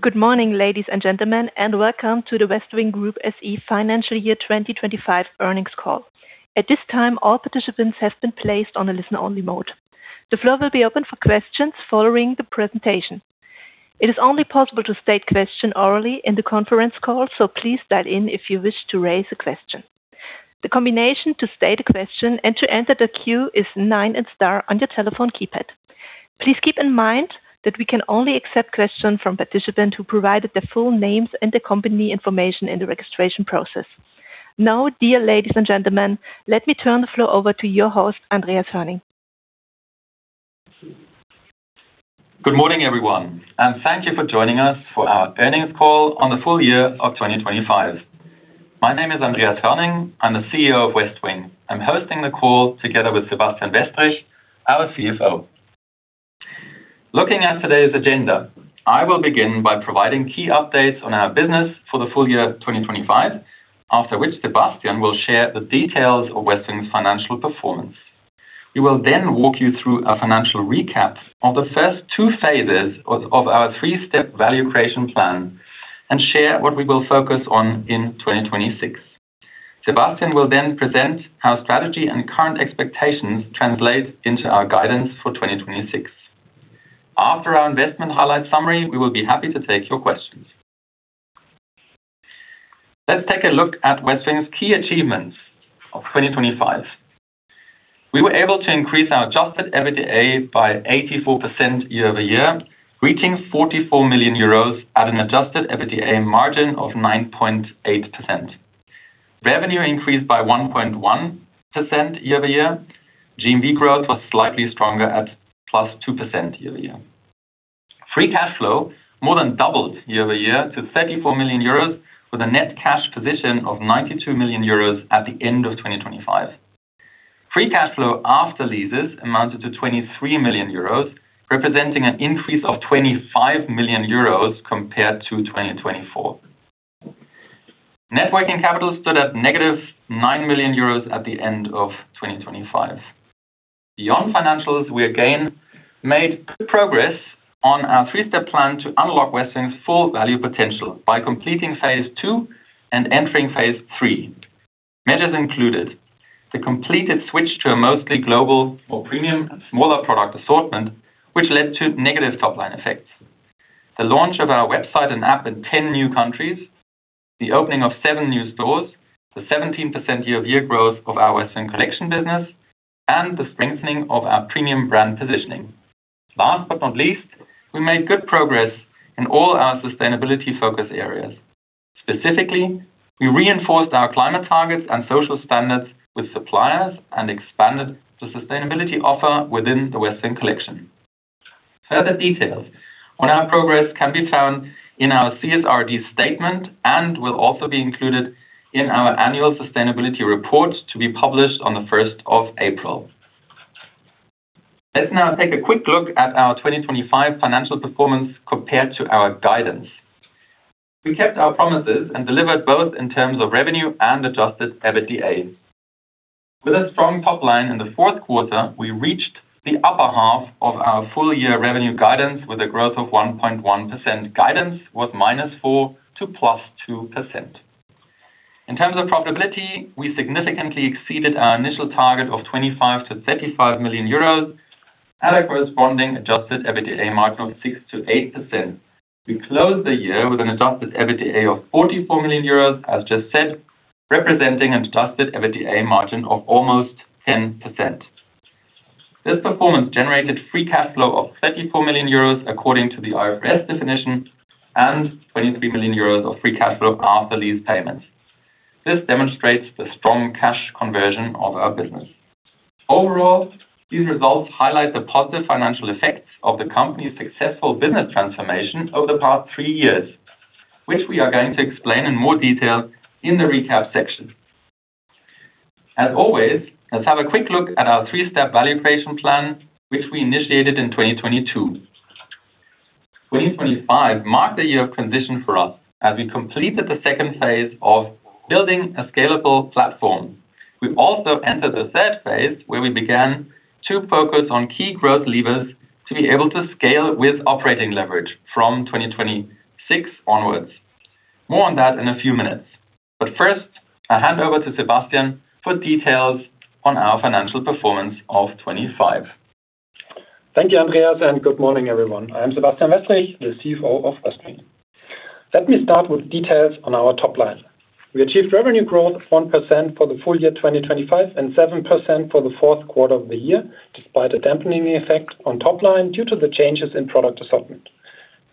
Good morning, ladies and gentlemen, and welcome to the Westwing Group SE financial year 2025 earnings call. At this time, all participants have been placed on a listen-only mode. The floor will be open for questions following the presentation. It is only possible to state question orally in the conference call, so please dial in if you wish to raise a question. The combination to state a question and to enter the queue is nine and star on your telephone keypad. Please keep in mind that we can only accept questions from participants who provided their full names and the company information in the registration process. Now, dear ladies and gentlemen, let me turn the floor over to your host, Andreas Hoerning. Good morning, everyone, and thank you for joining us for our earnings call on the full year of 2025. My name is Andreas Hoerning. I'm the CEO of Westwing. I'm hosting the call together with Sebastian Westrich, our CFO. Looking at today's agenda, I will begin by providing key updates on our business for the full year 2025. After which Sebastian will share the details of Westwing's financial performance. We will then walk you through a financial recap of the first two phases of our three-step value creation plan and share what we will focus on in 2026. Sebastian will then present how strategy and current expectations translate into our guidance for 2026. After our investment highlight summary, we will be happy to take your questions. Let's take a look at Westwing's key achievements of 2025. We were able to increase our adjusted EBITDA by 84% year-over-year, reaching 44 million euros at an adjusted EBITDA margin of 9.8%. Revenue increased by 1.1% year-over-year. GMV growth was slightly stronger at +2% year-over-year. Free cash flow more than doubled year-over-year to 34 million euros, with a net cash position of 92 million euros at the end of 2025. Free cash flow after leases amounted to 23 million euros, representing an increase of 25 million euros compared to 2024. Net working capital stood at -9 million euros at the end of 2025. Beyond financials, we again made good progress on our three-step plan to unlock Westwing's full value potential by completing phase II and entering phase III. Measures included the completed switch to a mostly global or premium smaller product assortment, which led to negative top-line effects, the launch of our website and app in 10 new countries, the opening of seven new stores, the 17% year-over-year growth of our Westwing Collection business, and the strengthening of our premium brand positioning. Last but not least, we made good progress in all our sustainability focus areas. Specifically, we reinforced our climate targets and social standards with suppliers and expanded the sustainability offer within the Westwing Collection. Further details on our progress can be found in our CSRD statement and will also be included in our annual sustainability report to be published on the 1st of April. Let's now take a quick look at our 2025 financial performance compared to our guidance. We kept our promises and delivered both in terms of revenue and adjusted EBITDA. With a strong top line in the fourth quarter, we reached the upper half of our full year revenue guidance with a growth of 1.1%. Guidance was -4% to +2%. In terms of profitability, we significantly exceeded our initial target of 25 million-35 million euros at a corresponding adjusted EBITDA margin of 6%-8%. We closed the year with an adjusted EBITDA of 44 million euros, as just said, representing an adjusted EBITDA margin of almost 10%. This performance generated free cash flow of 34 million euros, according to the IFRS definition, and 23 million euros of free cash flow after lease payments. This demonstrates the strong cash conversion of our business. Overall, these results highlight the positive financial effects of the company's successful business transformation over the past three years, which we are going to explain in more detail in the recap section. As always, let's have a quick look at our three-step value creation plan, which we initiated in 2022. 2025 marked a year of transition for us as we completed the second phase of building a scalable platform. We also entered the third phase, where we began to focus on key growth levers to be able to scale with operating leverage from 2026 onwards. More on that in a few minutes. First, I hand over to Sebastian for details on our financial performance of 2025. Thank you, Andreas Hoerning, and good morning, everyone. I'm Sebastian Westrich, the CFO of Westwing. Let me start with details on our top line. We achieved revenue growth of 1% for the full year 2025 and 7% for the fourth quarter of the year, despite a dampening effect on top line due to the changes in product assortment.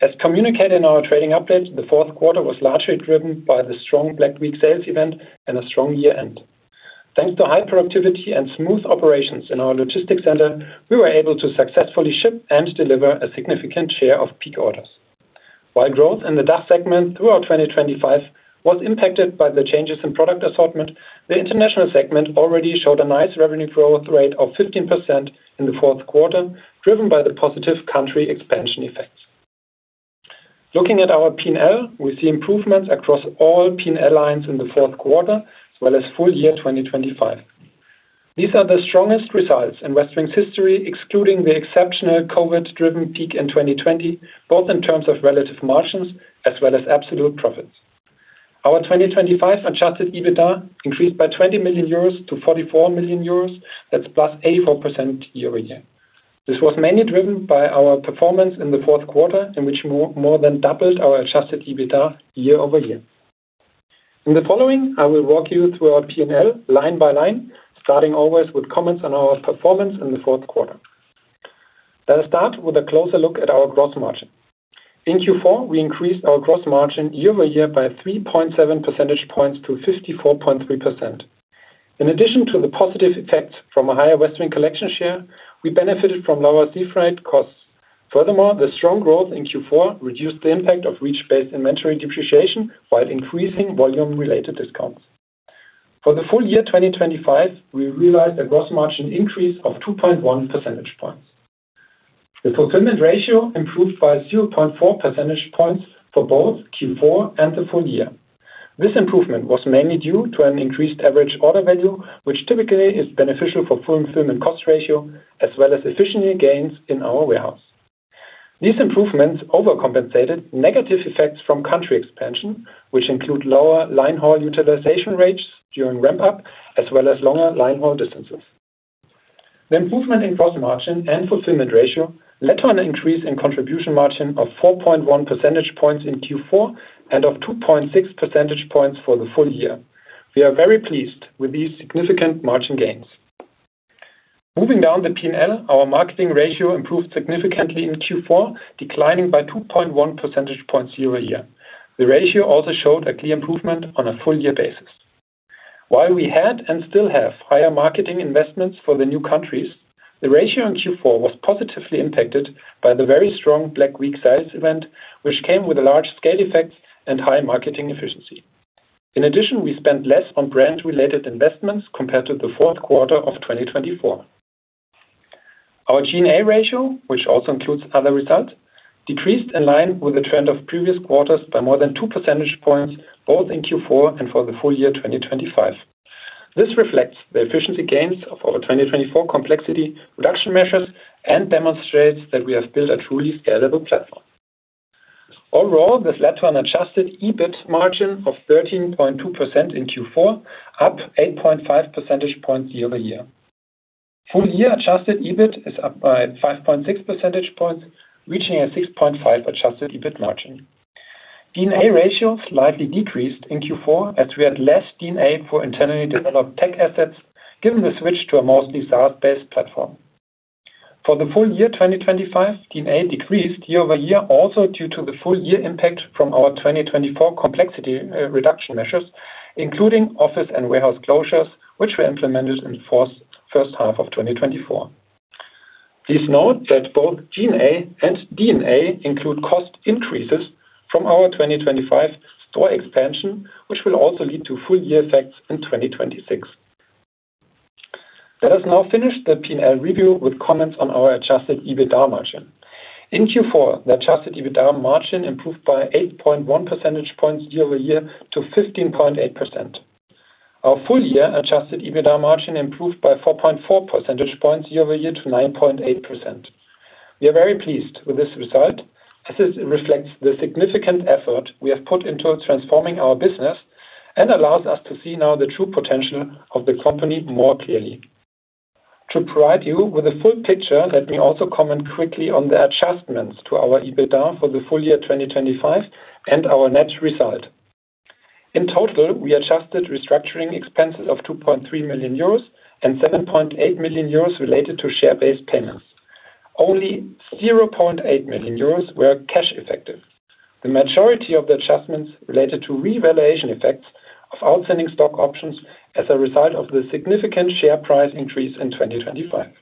As communicated in our trading update, the fourth quarter was largely driven by the strong Black Week sales event and a strong year-end. Thanks to high productivity and smooth operations in our logistics center, we were able to successfully ship and deliver a significant share of peak orders. While growth in the DACH segment throughout 2025 was impacted by the changes in product assortment, the international segment already showed a nice revenue growth rate of 15% in the fourth quarter, driven by the positive country expansion effects. Looking at our P&L, we see improvements across all P&L lines in the fourth quarter, as well as full year 2025. These are the strongest results in Westwing's history, excluding the exceptional COVID-driven peak in 2020, both in terms of relative margins as well as absolute profits. Our 2025 adjusted EBITDA increased by 20 million euros to 44 million euros. That's plus 84% year-over-year. This was mainly driven by our performance in the fourth quarter, in which more than doubled our adjusted EBITDA year-over-year. In the following, I will walk you through our P&L line by line, starting always with comments on our performance in the fourth quarter. Let us start with a closer look at our gross margin. In Q4, we increased our gross margin year-over-year by 3.7 percentage points to 54.3%. In addition to the positive effect from a higher Westwing Collection share, we benefited from lower sea freight costs. Furthermore, the strong growth in Q4 reduced the impact of reach-based inventory depreciation while increasing volume-related discounts. For the full year 2025, we realized a gross margin increase of 2.1 percentage points. The fulfillment ratio improved by 0.4 percentage points for both Q4 and the full year. This improvement was mainly due to an increased average order value, which typically is beneficial for fulfillment cost ratio as well as efficiency gains in our warehouse. These improvements overcompensated negative effects from country expansion, which include lower line haul utilization rates during ramp up as well as longer line haul distances. The improvement in gross margin and fulfillment ratio led to an increase in contribution margin of 4.1 percentage points in Q4 and of 2.6 percentage points for the full year. We are very pleased with these significant margin gains. Moving down the P&L, our marketing ratio improved significantly in Q4, declining by 2.1 percentage points year over year. The ratio also showed a clear improvement on a full year basis. While we had and still have higher marketing investments for the new countries, the ratio in Q4 was positively impacted by the very strong Black Week sales event, which came with large scale effects and high marketing efficiency. In addition, we spent less on brand-related investments compared to the fourth quarter of 2024. Our G&A ratio, which also includes other results, decreased in line with the trend of previous quarters by more than 2 percentage points, both in Q4 and for the full year 2025. This reflects the efficiency gains of our 2024 complexity reduction measures and demonstrates that we have built a truly scalable platform. Overall, this led to an adjusted EBIT margin of 13.2% in Q4, up 8.5 percentage points year-over-year. Full year adjusted EBIT is up by 5.6 percentage points, reaching a 6.5% adjusted EBIT margin. G&A ratio slightly decreased in Q4 as we had less G&A for internally developed tech assets, given the switch to a mostly SaaS-based platform. For the full year, 2025, G&A decreased year-over-year also due to the full-year impact from our 2024 complexity reduction measures, including office and warehouse closures, which were implemented in the first half of 2024. Please note that both G&A and D&A include cost increases from our 2025 store expansion, which will also lead to full-year effects in 2026. Let us now finish the P&L review with comments on our adjusted EBITDA margin. In Q4, the adjusted EBITDA margin improved by 8.1 percentage points year-over-year to 15.8%. Our full-year adjusted EBITDA margin improved by 4.4 percentage points year-over-year to 9.8%. We are very pleased with this result as it reflects the significant effort we have put into transforming our business and allows us to see now the true potential of the company more clearly. To provide you with a full picture, let me also comment quickly on the adjustments to our EBITDA for the full year 2025 and our net result. In total, we adjusted restructuring expenses of 2.3 million euros and 7.8 million euros related to share-based payments. Only 0.8 million euros were cash effective. The majority of the adjustments related to revaluation effects of outstanding stock options as a result of the significant share price increase in 2025.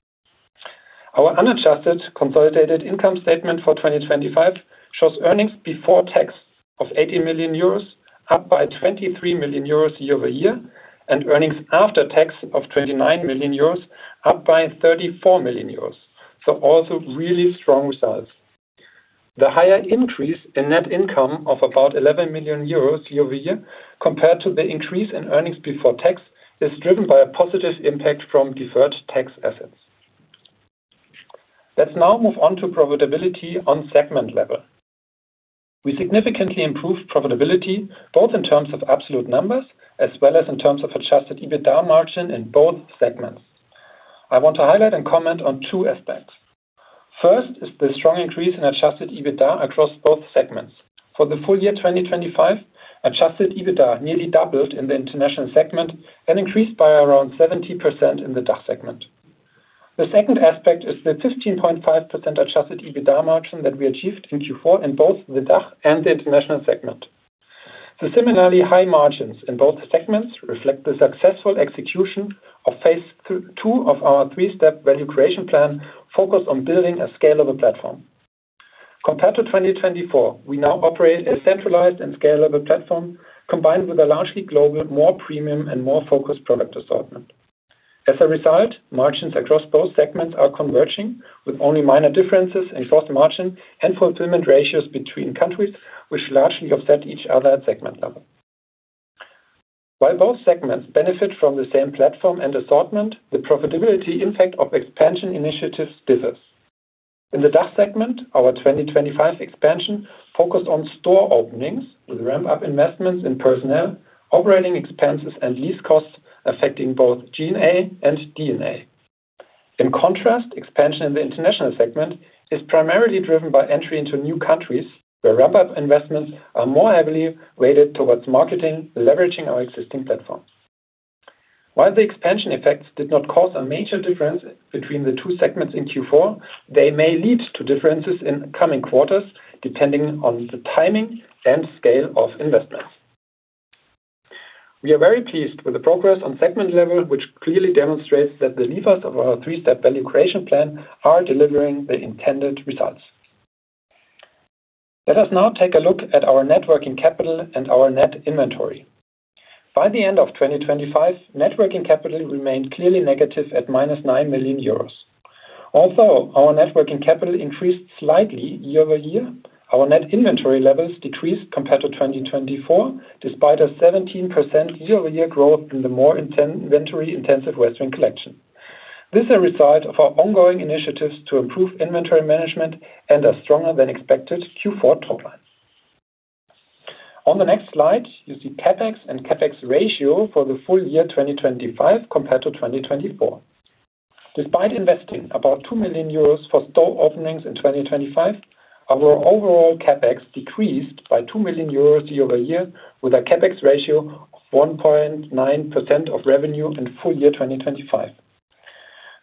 Our unadjusted consolidated income statement for 2025 shows earnings before tax of 80 million euros, up by 23 million euros year-over-year, and earnings after tax of 29 million euros, up by 34 million euros. Also really strong results. The higher increase in net income of about 11 million euros year-over-year compared to the increase in earnings before tax is driven by a positive impact from deferred tax assets. Let's now move on to profitability on segment level. We significantly improved profitability both in terms of absolute numbers as well as in terms of adjusted EBITDA margin in both segments. I want to highlight and comment on two aspects. First is the strong increase in adjusted EBITDA across both segments. For the full year, 2025, adjusted EBITDA nearly doubled in the international segment and increased by around 70% in the DACH segment. The second aspect is the 15.5% adjusted EBITDA margin that we achieved in Q4 in both the DACH and the international segment. The similarly high margins in both segments reflect the successful execution of phase II of our three-step value creation plan focused on building a scalable platform. Compared to 2024, we now operate a centralized and scalable platform combined with a largely global, more premium and more focused product assortment. As a result, margins across both segments are converging with only minor differences in gross margin and fulfillment ratios between countries, which largely offset each other at segment level. While both segments benefit from the same platform and assortment, the profitability impact of expansion initiatives differs. In the DACH segment, our 2025 expansion focused on store openings with ramp-up investments in personnel, operating expenses, and lease costs affecting both G&A and D&A. In contrast, expansion in the international segment is primarily driven by entry into new countries where ramp-up investments are more heavily weighted towards marketing, leveraging our existing platforms. While the expansion effects did not cause a major difference between the two segments in Q4, they may lead to differences in coming quarters depending on the timing and scale of investments. We are very pleased with the progress on segment level which clearly demonstrates that the levers of our three-step value creation plan are delivering the intended results. Let us now take a look at our net working capital and our net inventory. By the end of 2025, net working capital remained clearly negative at -9 million euros. Also, our net working capital increased slightly year-over-year. Our net inventory levels decreased compared to 2024, despite a 17% year-over-year growth in the more inventory-intensive Westwing Collection. This is a result of our ongoing initiatives to improve inventory management and a stronger than expected Q4 top line. On the next slide, you see CapEx and CapEx ratio for the full year 2025 compared to 2024. Despite investing about 2 million euros for store openings in 2025, our overall CapEx decreased by 2 million euros year-over-year with a CapEx ratio of 1.9% of revenue in full year 2025.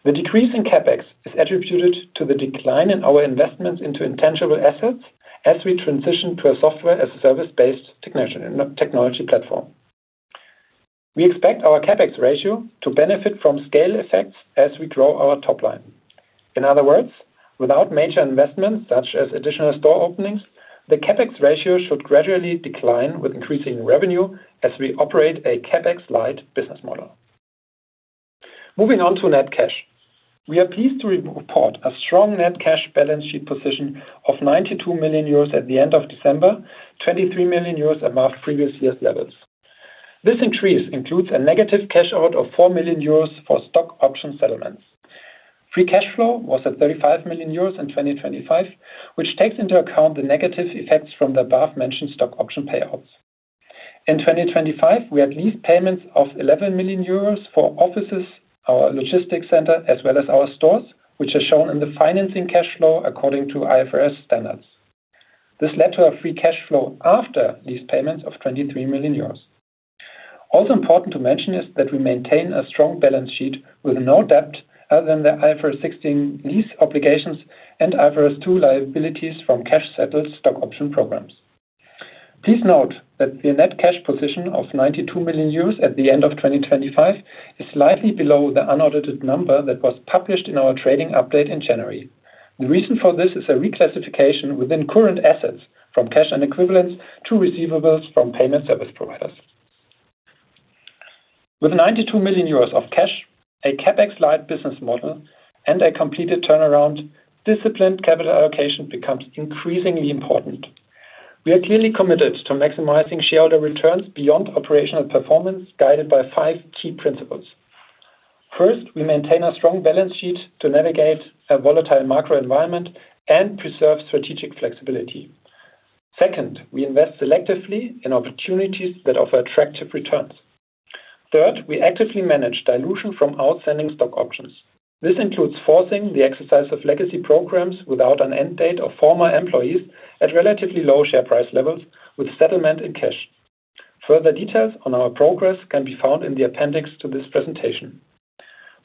The decrease in CapEx is attributed to the decline in our investments into intangible assets as we transition to a software as a service-based technology platform. We expect our CapEx ratio to benefit from scale effects as we grow our top line. In other words, without major investments such as additional store openings, the CapEx ratio should gradually decline with increasing revenue as we operate a CapEx-light business model. Moving on to net cash. We are pleased to report a strong net cash balance sheet position of 92 million euros at the end of December, 23 million euros above previous year's levels. This increase includes a negative cash out of 4 million euros for stock option settlements. Free cash flow was at 35 million euros in 2025, which takes into account the negative effects from the above-mentioned stock option payouts. In 2025, we had lease payments of 11 million euros for offices, our logistics center, as well as our stores, which are shown in the financing cash flow according to IFRS standards. This led to a free cash flow after these payments of 23 million euros. Also important to mention is that we maintain a strong balance sheet with no debt other than the IFRS 16 lease obligations and IFRS 2 liabilities from cash settled stock option programs. Please note that the net cash position of 92 million euros at the end of 2025 is slightly below the unaudited number that was published in our trading update in January. The reason for this is a reclassification within current assets from cash and equivalents to receivables from payment service providers. With 92 million euros of cash, a CapEx light business model, and a completed turnaround, disciplined capital allocation becomes increasingly important. We are clearly committed to maximizing shareholder returns beyond operational performance, guided by five key principles. First, we maintain a strong balance sheet to navigate a volatile macro environment and preserve strategic flexibility. Second, we invest selectively in opportunities that offer attractive returns. Third, we actively manage dilution from outstanding stock options. This includes forcing the exercise of legacy programs without an end date of former employees at relatively low share price levels with settlement in cash. Further details on our progress can be found in the appendix to this presentation.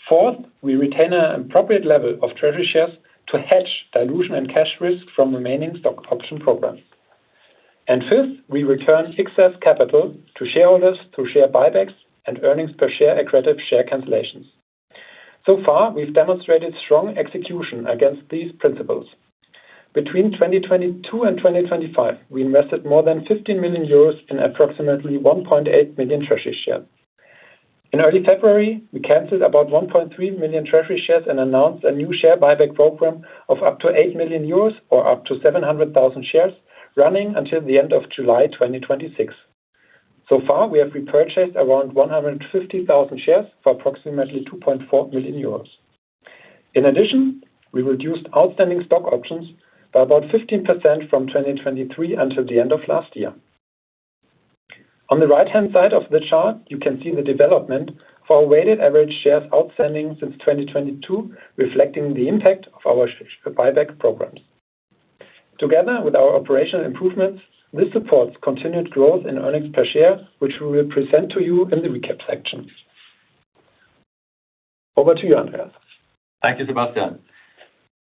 Fourth, we retain an appropriate level of treasury shares to hedge dilution and cash risk from remaining stock option programs. Fifth, we return success capital to shareholders through share buybacks and earnings per share accretive share cancellations. So far, we've demonstrated strong execution against these principles. Between 2022 and 2025, we invested more than 15 million euros in approximately 1.8 million treasury shares. In early February, we canceled about 1.3 million treasury shares and announced a new share buyback program of up to 8 million euros or up to 700,000 shares running until the end of July, 2026. So far, we have repurchased around 150,000 shares for approximately 2.4 million euros. In addition, we reduced outstanding stock options by about 15% from 2023 until the end of last year. On the right-hand side of the chart, you can see the development for our weighted average shares outstanding since 2022, reflecting the impact of our share buyback programs. Together with our operational improvements, this supports continued growth in earnings per share, which we will present to you in the recap section. Over to you, Andreas. Thank you, Sebastian.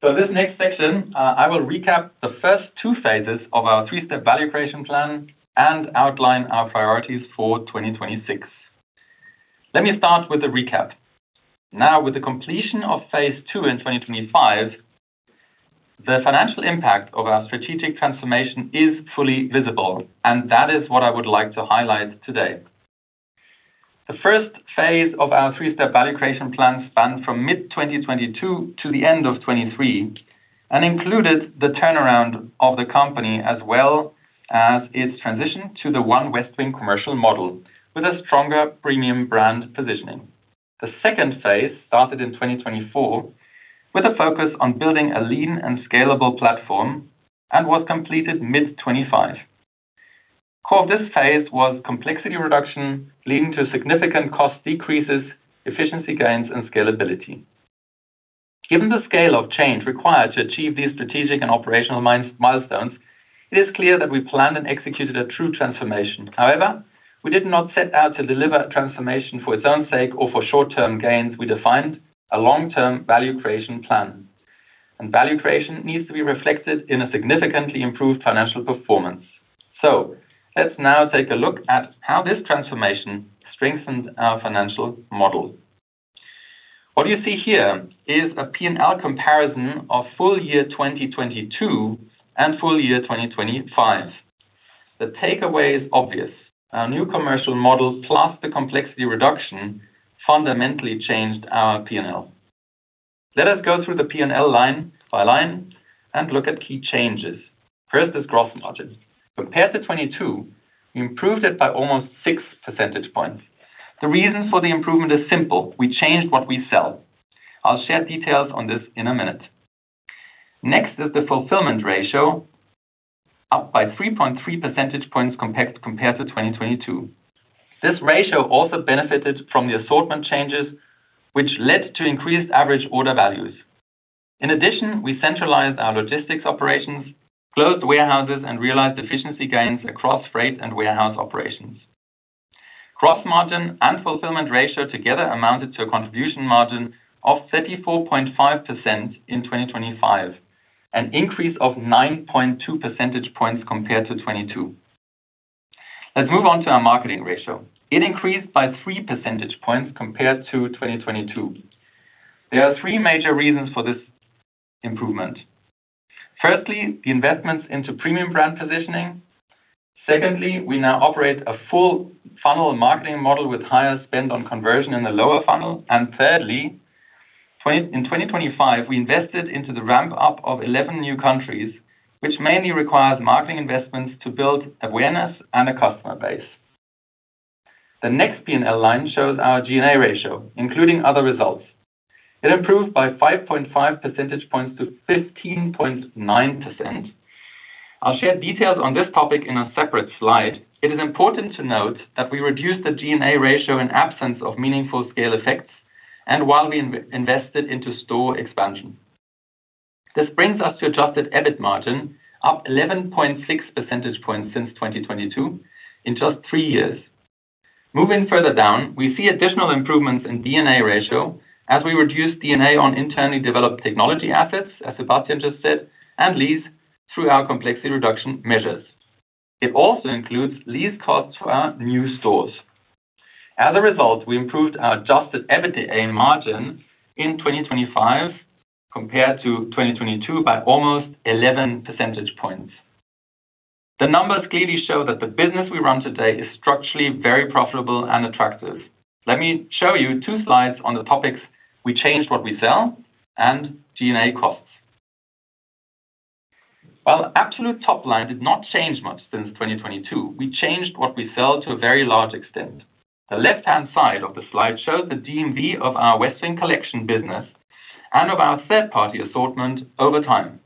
This next section, I will recap the first two phases of our three-step value creation plan and outline our priorities for 2026. Let me start with the recap. Now, with the completion of phase II in 2025, the financial impact of our strategic transformation is fully visible, and that is what I would like to highlight today. The first phase of our three-step value creation plan spanned from mid-2022 to the end of 2023 and included the turnaround of the company as well as its transition to the OneWestwing commercial model with a stronger premium brand positioning. The second phase started in 2024 with a focus on building a lean and scalable platform and was completed mid-2025. Core of this phase was complexity reduction, leading to significant cost decreases, efficiency gains, and scalability. Given the scale of change required to achieve these strategic and operational milestones, it is clear that we planned and executed a true transformation. However, we did not set out to deliver a transformation for its own sake or for short-term gains. We defined a long-term value creation plan. Value creation needs to be reflected in a significantly improved financial performance. Let's now take a look at how this transformation strengthened our financial model. What you see here is a P&L comparison of full year 2022 and full year 2025. The takeaway is obvious. Our new commercial models plus the complexity reduction fundamentally changed our P&L. Let us go through the P&L line by line and look at key changes. First is gross margin. Compared to 2022, we improved it by almost 6 percentage points. The reason for the improvement is simple. We changed what we sell. I'll share details on this in a minute. Next is the fulfillment ratio, up by 3.3 percentage points compared to 2022. This ratio also benefited from the assortment changes, which led to increased average order values. In addition, we centralized our logistics operations, closed warehouses, and realized efficiency gains across freight and warehouse operations. Gross margin and fulfillment ratio together amounted to a contribution margin of 34.5% in 2025, an increase of 9.2 percentage points compared to 2022. Let's move on to our marketing ratio. It increased by 3 percentage points compared to 2022. There are three major reasons for this improvement. Firstly, the investments into premium brand positioning. Secondly, we now operate a full funnel marketing model with higher spend on conversion in the lower funnel. Thirdly, in 2025, we invested into the ramp-up of 11 new countries, which mainly requires marketing investments to build awareness and a customer base. The next P&L line shows our G&A ratio, including other results. It improved by 5.5 percentage points to 15.9%. I'll share details on this topic in a separate slide. It is important to note that we reduced the G&A ratio in absence of meaningful scale effects and while we invested into store expansion. This brings us to adjusted EBIT margin, up 11.6 percentage points since 2022 in just three years. Moving further down, we see additional improvements in D&A ratio as we reduce D&A on internally developed technology assets, as Sebastian just said, and lease through our complexity reduction measures. It also includes lease costs to our new stores. As a result, we improved our adjusted EBITDA margin in 2025 compared to 2022 by almost 11 percentage points. The numbers clearly show that the business we run today is structurally very profitable and attractive. Let me show you two slides on the topics we changed what we sell and G&A costs. While absolute top line did not change much since 2022, we changed what we sell to a very large extent. The left-hand side of the slide shows the GMV of our Westwing Collection business and of our third-party assortment over time.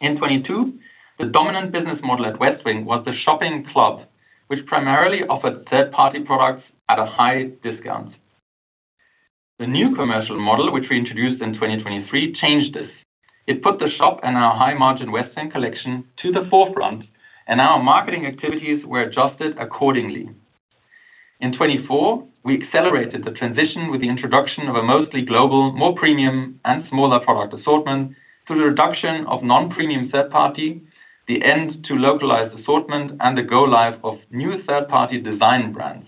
In 2022, the dominant business model at Westwing was the shopping club, which primarily offered third-party products at a high discount. The new commercial model, which we introduced in 2023, changed this. It put the shop and our high-margin Westwing Collection to the forefront, and our marketing activities were adjusted accordingly. In 2024, we accelerated the transition with the introduction of a mostly global, more premium, and smaller product assortment through the reduction of non-premium third-party, the end to localized assortment, and the go live of new third-party design brands.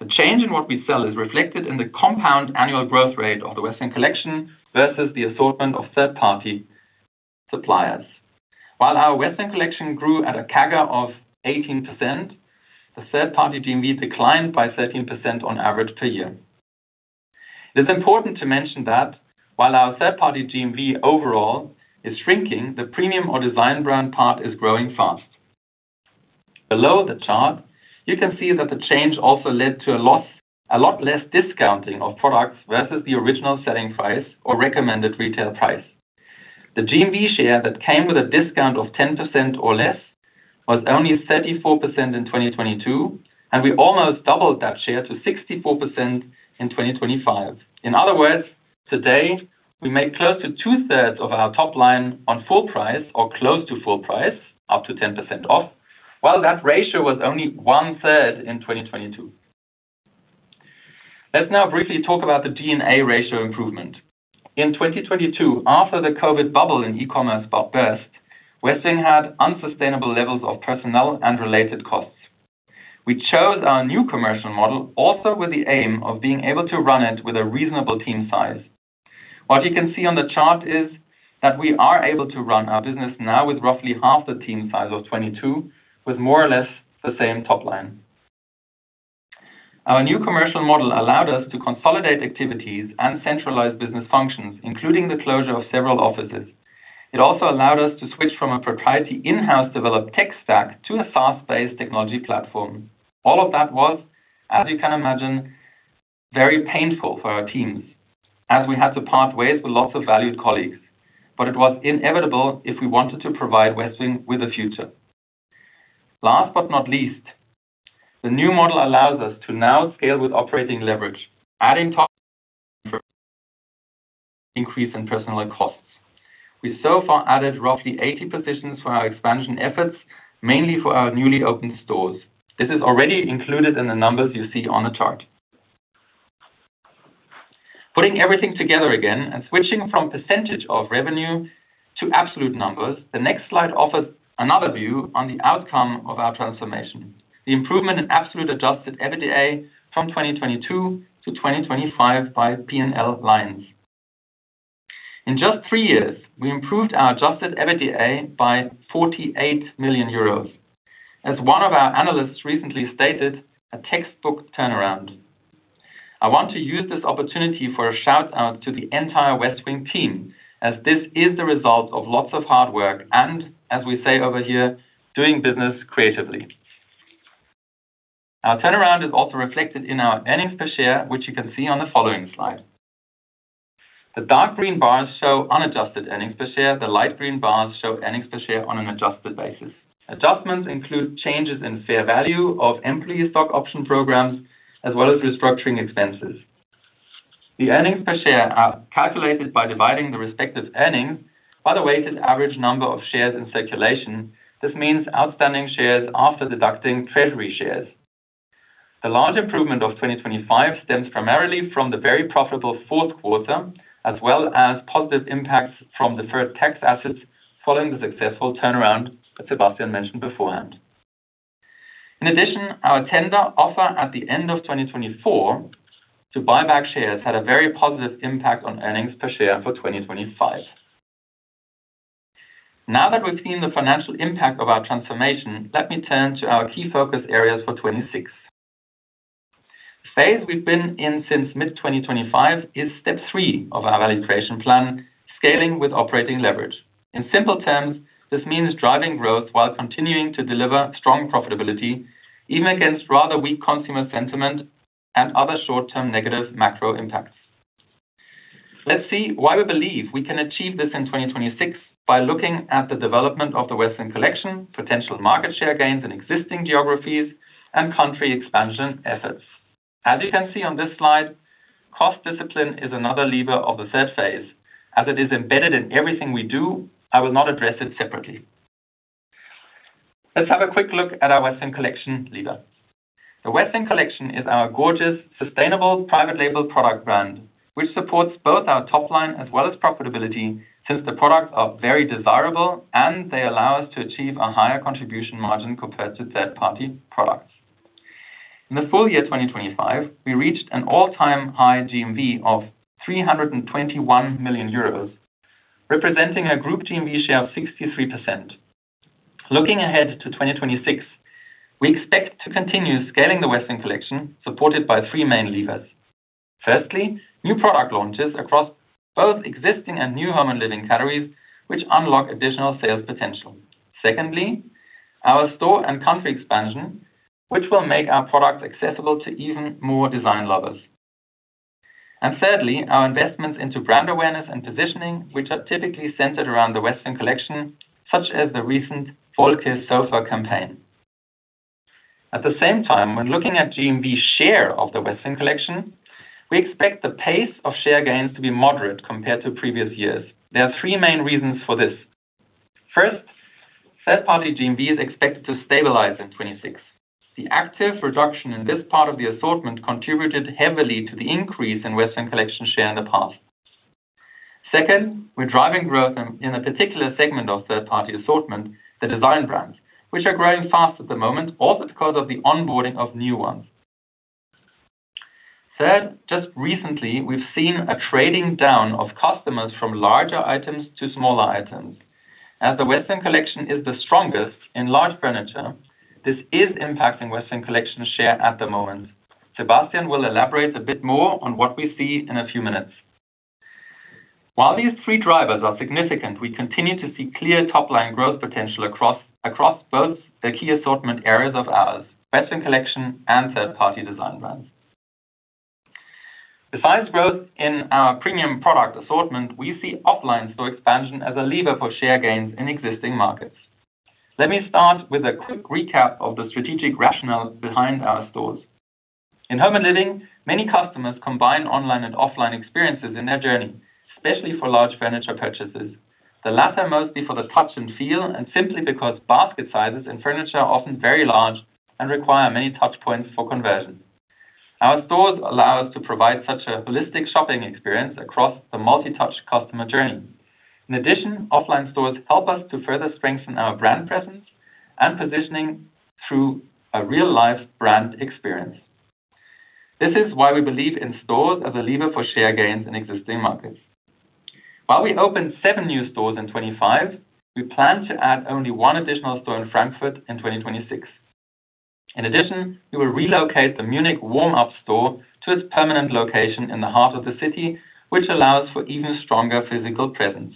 The change in what we sell is reflected in the compound annual growth rate of the Westwing Collection versus the assortment of third-party suppliers. While our Westwing Collection grew at a CAGR of 18%, the third-party GMV declined by 13% on average per year. It is important to mention that while our third-party GMV overall is shrinking, the premium or design brand part is growing fast. Below the chart, you can see that the change also led to a lot less discounting of products versus the original selling price or recommended retail price. The GMV share that came with a discount of 10% or less was only 34% in 2022, and we almost doubled that share to 64% in 2025. In other words, today, we make close to 2/3 of our top line on full price or close to full price, up to 10% off, while that ratio was only 1/3 in 2022. Let's now briefly talk about the G&A ratio improvement. In 2022, after the COVID bubble in e-commerce got burst, Westwing had unsustainable levels of personnel and related costs. We chose our new commercial model also with the aim of being able to run it with a reasonable team size. What you can see on the chart is that we are able to run our business now with roughly half the team size of 2022, with more or less the same top line. Our new commercial model allowed us to consolidate activities and centralize business functions, including the closure of several offices. It also allowed us to switch from a proprietary in-house developed tech stack to a SaaS-based technology platform. All of that was, as you can imagine, very painful for our teams as we had to part ways with lots of valued colleagues. It was inevitable if we wanted to provide Westwing with a future. Last but not least, the new model allows us to now scale with operating leverage, adding to the increase in personnel costs. We so far added roughly 80 positions for our expansion efforts, mainly for our newly opened stores. This is already included in the numbers you see on the chart. Putting everything together again and switching from percentage of revenue to absolute numbers, the next slide offers another view on the outcome of our transformation. The improvement in absolute adjusted EBITDA from 2022 to 2025 by P&L lines. In just three years, we improved our adjusted EBITDA by 48 million euros. As one of our analysts recently stated, "A textbook turnaround." I want to use this opportunity for a shout-out to the entire Westwing team, as this is the result of lots of hard work and, as we say over here, doing business creatively. Our turnaround is also reflected in our earnings per share, which you can see on the following slide. The dark green bars show unadjusted earnings per share. The light green bars show earnings per share on an adjusted basis. Adjustments include changes in fair value of employee stock option programs, as well as restructuring expenses. The earnings per share are calculated by dividing the respective earnings by the weighted average number of shares in circulation. This means outstanding shares after deducting treasury shares. The large improvement of 2025 stems primarily from the very profitable fourth quarter, as well as positive impacts from deferred tax assets following the successful turnaround that Sebastian mentioned beforehand. In addition, our tender offer at the end of 2024 to buy back shares had a very positive impact on earnings per share for 2025. Now that we've seen the financial impact of our transformation, let me turn to our key focus areas for 2026. The phase we've been in since mid-2025 is step 3 of our value creation plan, scaling with operating leverage. In simple terms, this means driving growth while continuing to deliver strong profitability, even against rather weak consumer sentiment and other short-term negative macro impacts. Let's see why we believe we can achieve this in 2026 by looking at the development of the Westwing Collection, potential market share gains in existing geographies, and country expansion efforts. As you can see on this slide, cost discipline is another lever of the third phase. As it is embedded in everything we do, I will not address it separately. Let's have a quick look at our Westwing Collection lever. The Westwing Collection is our gorgeous, sustainable, private label product brand, which supports both our top line as well as profitability, since the products are very desirable and they allow us to achieve a higher contribution margin compared to third-party products. In the full year 2025, we reached an all-time high GMV of 321 million euros, representing a group GMV share of 63%. Looking ahead to 2026, we expect to continue scaling the Westwing Collection supported by three main levers. Firstly, new product launches across both existing and new home and living categories, which unlock additional sales potential. Secondly, our store and country expansion, which will make our products accessible to even more design lovers. Thirdly, our investments into brand awareness and positioning, which are typically centered around the Westwing Collection, such as the recent Wolke Sofa campaign. At the same time, when looking at GMV share of the Westwing Collection, we expect the pace of share gains to be moderate compared to previous years. There are three main reasons for this. First, third-party GMV is expected to stabilize in 2026. The active reduction in this part of the assortment contributed heavily to the increase in Westwing Collection share in the past. Second, we're driving growth in a particular segment of third-party assortment, the design brands, which are growing fast at the moment, also because of the onboarding of new ones. Third, just recently, we've seen a trading down of customers from larger items to smaller items. As the Westwing Collection is the strongest in large furniture, this is impacting Westwing Collection share at the moment. Sebastian will elaborate a bit more on what we see in a few minutes. While these three drivers are significant, we continue to see clear top-line growth potential across both the key assortment areas of ours, Westwing Collection and third-party design brands. Besides growth in our premium product assortment, we see offline store expansion as a lever for share gains in existing markets. Let me start with a quick recap of the strategic rationale behind our stores. In home and living, many customers combine online and offline experiences in their journey, especially for large furniture purchases. The latter mostly for the touch and feel, and simply because basket sizes in furniture are often very large and require many touch points for conversion. Our stores allow us to provide such a holistic shopping experience across the multi-touch customer journey. In addition, offline stores help us to further strengthen our brand presence and positioning through a real-life brand experience. This is why we believe in stores as a lever for share gains in existing markets. While we opened seven new stores in 2025, we plan to add only one additional store in Frankfurt in 2026. In addition, we will relocate the Munich warm-up store to its permanent location in the heart of the city, which allows for even stronger physical presence.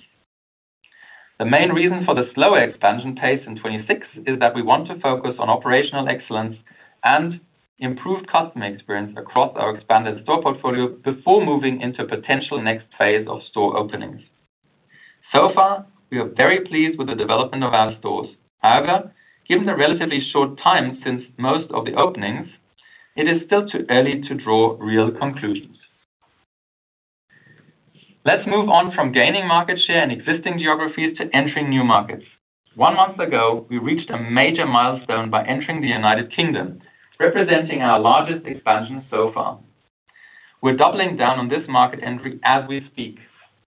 The main reason for the slower expansion pace in 2026 is that we want to focus on operational excellence and improved customer experience across our expanded store portfolio before moving into potential next phase of store openings. So far, we are very pleased with the development of our stores. However, given the relatively short time since most of the openings, it is still too early to draw real conclusions. Let's move on from gaining market share in existing geographies to entering new markets. One month ago, we reached a major milestone by entering the United Kingdom, representing our largest expansion so far. We're doubling down on this market entry as we speak.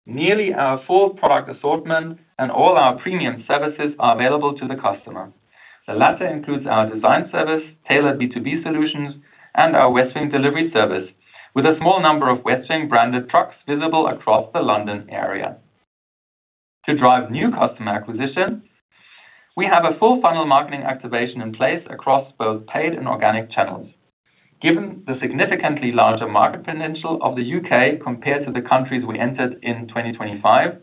Nearly our full product assortment and all our premium services are available to the customer. The latter includes our design service, tailored B2B solutions, and our Westwing Delivery Service, with a small number of Westwing branded trucks visible across the London area. To drive new customer acquisition, we have a full funnel marketing activation in place across both paid and organic channels. Given the significantly larger market potential of the U.K. compared to the countries we entered in 2025,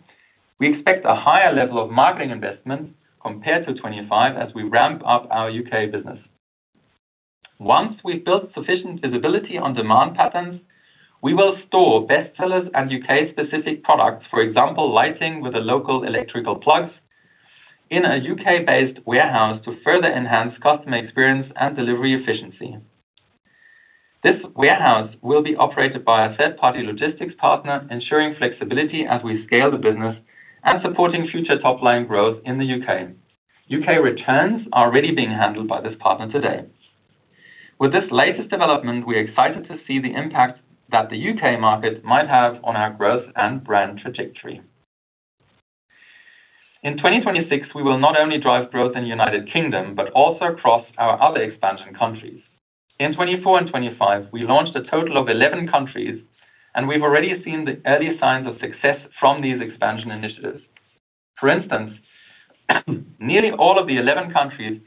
we expect a higher level of marketing investment compared to 25 as we ramp up our U.K. business. Once we've built sufficient visibility on demand patterns, we will store bestsellers and U.K.-specific products, for example, lighting with a local electrical plugs, in a U.K.-based warehouse to further enhance customer experience and delivery efficiency. This warehouse will be operated by a third-party logistics partner, ensuring flexibility as we scale the business and supporting future top-line growth in the U.K. U.K. returns are already being handled by this partner today. With this latest development, we're excited to see the impact that the U.K. market might have on our growth and brand trajectory. In 2026, we will not only drive growth in the United Kingdom, but also across our other expansion countries. In 2024 and 2025, we launched a total of 11 countries, and we've already seen the early signs of success from these expansion initiatives. For instance, nearly all of the 11 countries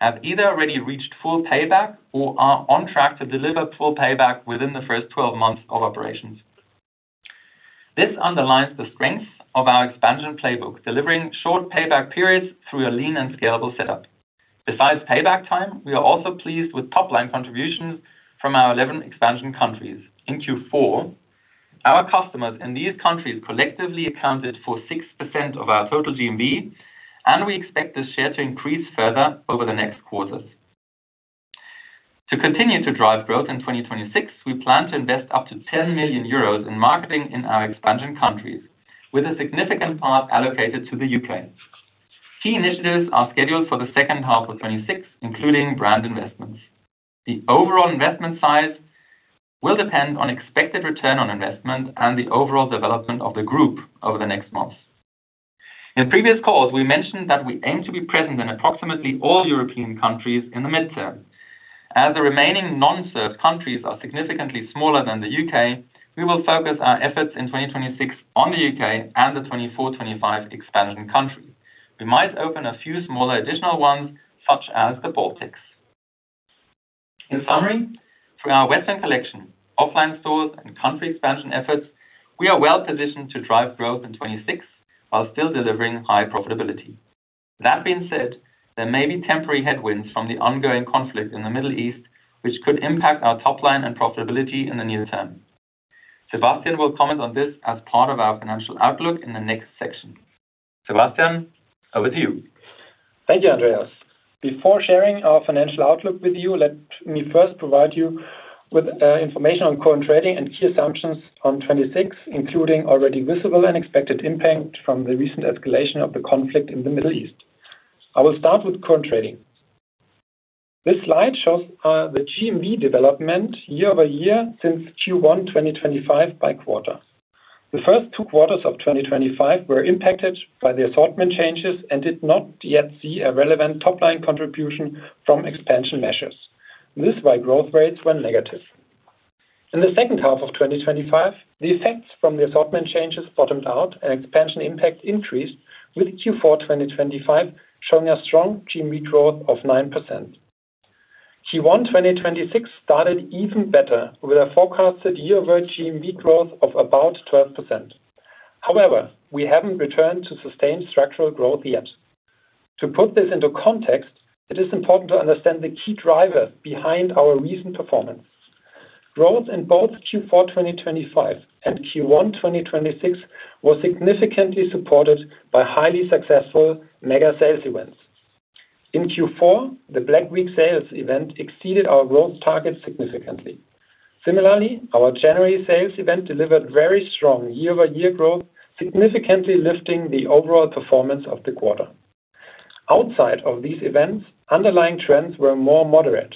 have either already reached full payback or are on track to deliver full payback within the first 12 months of operations. This underlines the strength of our expansion playbook, delivering short payback periods through a lean and scalable setup. Besides payback time, we are also pleased with top-line contributions from our 11 expansion countries. In Q4, our customers in these countries collectively accounted for 6% of our total GMV, and we expect this share to increase further over the next quarters. To continue to drive growth in 2026, we plan to invest up to 10 million euros in marketing in our expansion countries, with a significant part allocated to the U.K. Key initiatives are scheduled for the second half of 2026, including brand investments. The overall investment size will depend on expected return on investment and the overall development of the group over the next months. In previous calls, we mentioned that we aim to be present in approximately all European countries in the midterm. As the remaining non-served countries are significantly smaller than the U.K., we will focus our efforts in 2026 on the U.K. and the 2024, 2025 expansion countries. We might open a few smaller additional ones, such as the Baltics. In summary, through our Westwing Collection, offline stores, and country expansion efforts, we are well positioned to drive growth in 2026 while still delivering high profitability. That being said, there may be temporary headwinds from the ongoing conflict in the Middle East, which could impact our top line and profitability in the near term. Sebastian will comment on this as part of our financial outlook in the next section. Sebastian, over to you. Thank you, Andreas. Before sharing our financial outlook with you, let me first provide you with information on current trading and key assumptions on 2026, including already visible and expected impact from the recent escalation of the conflict in the Middle East. I will start with current trading. This slide shows the GMV development year-over-year since Q1 2025 by quarter. The first two quarters of 2025 were impacted by the assortment changes and did not yet see a relevant top-line contribution from expansion measures. This is why growth rates were negative. In the second half of 2025, the effects from the assortment changes bottomed out and expansion impact increased, with Q4 2025 showing a strong GMV growth of 9%. Q1 2026 started even better, with a forecasted year-over-year GMV growth of about 12%. However, we haven't returned to sustained structural growth yet. To put this into context, it is important to understand the key drivers behind our recent performance. Growth in both Q4 2025 and Q1 2026 was significantly supported by highly successful mega sales events. In Q4, the Black Week sales event exceeded our growth target significantly. Similarly, our January sales event delivered very strong year-over-year growth, significantly lifting the overall performance of the quarter. Outside of these events, underlying trends were more moderate.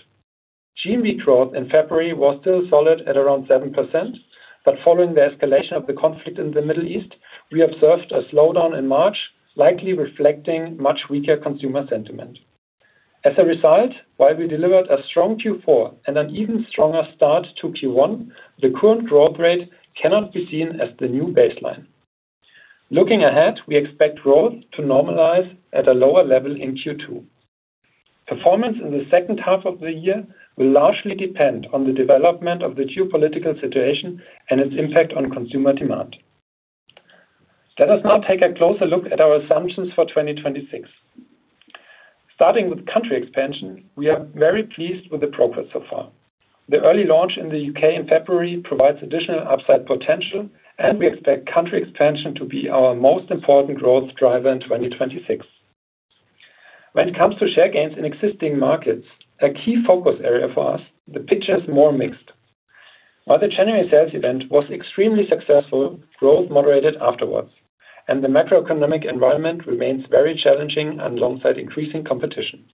GMV growth in February was still solid at around 7%, but following the escalation of the conflict in the Middle East, we observed a slowdown in March, likely reflecting much weaker consumer sentiment. As a result, while we delivered a strong Q4 and an even stronger start to Q1, the current growth rate cannot be seen as the new baseline. Looking ahead, we expect growth to normalize at a lower level in Q2. Performance in the second half of the year will largely depend on the development of the geopolitical situation and its impact on consumer demand. Let us now take a closer look at our assumptions for 2026. Starting with country expansion, we are very pleased with the progress so far. The early launch in the U.K. in February provides additional upside potential, and we expect country expansion to be our most important growth driver in 2026. When it comes to share gains in existing markets, a key focus area for us, the picture is more mixed. While the January sales event was extremely successful, growth moderated afterwards, and the macroeconomic environment remains very challenging alongside increasing competition.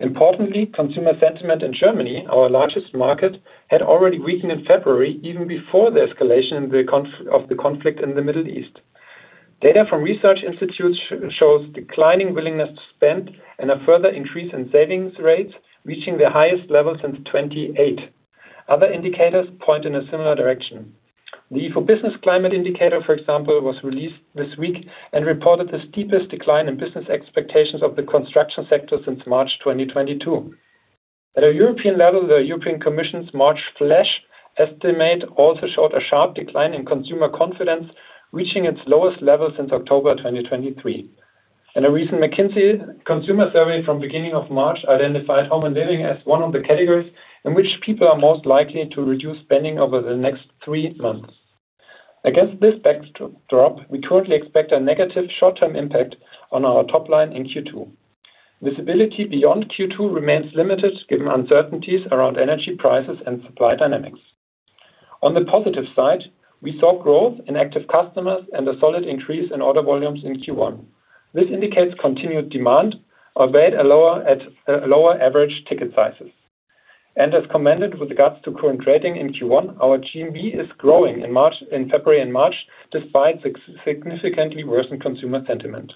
Importantly, consumer sentiment in Germany, our largest market, had already weakened in February even before the escalation of the conflict in the Middle East. Data from research institutes shows declining willingness to spend and a further increase in savings rates, reaching their highest level since 28. Other indicators point in a similar direction. The Ifo Business Climate Index, for example, was released this week and reported the steepest decline in business expectations of the construction sector since March 2022. At a European level, the European Commission's March flash estimate also showed a sharp decline in consumer confidence, reaching its lowest level since October 2023. In a recent McKinsey consumer survey from the beginning of March identified home and living as one of the categories in which people are most likely to reduce spending over the next three months. Against this backdrop, we currently expect a negative short-term impact on our top line in Q2. Visibility beyond Q2 remains limited given uncertainties around energy prices and supply dynamics. On the positive side, we saw growth in active customers and a solid increase in order volumes in Q1. This indicates continued demand, albeit at a lower average ticket sizes. As commented with regards to current trading in Q1, our GMV is growing in February and March, despite significantly worsened consumer sentiment.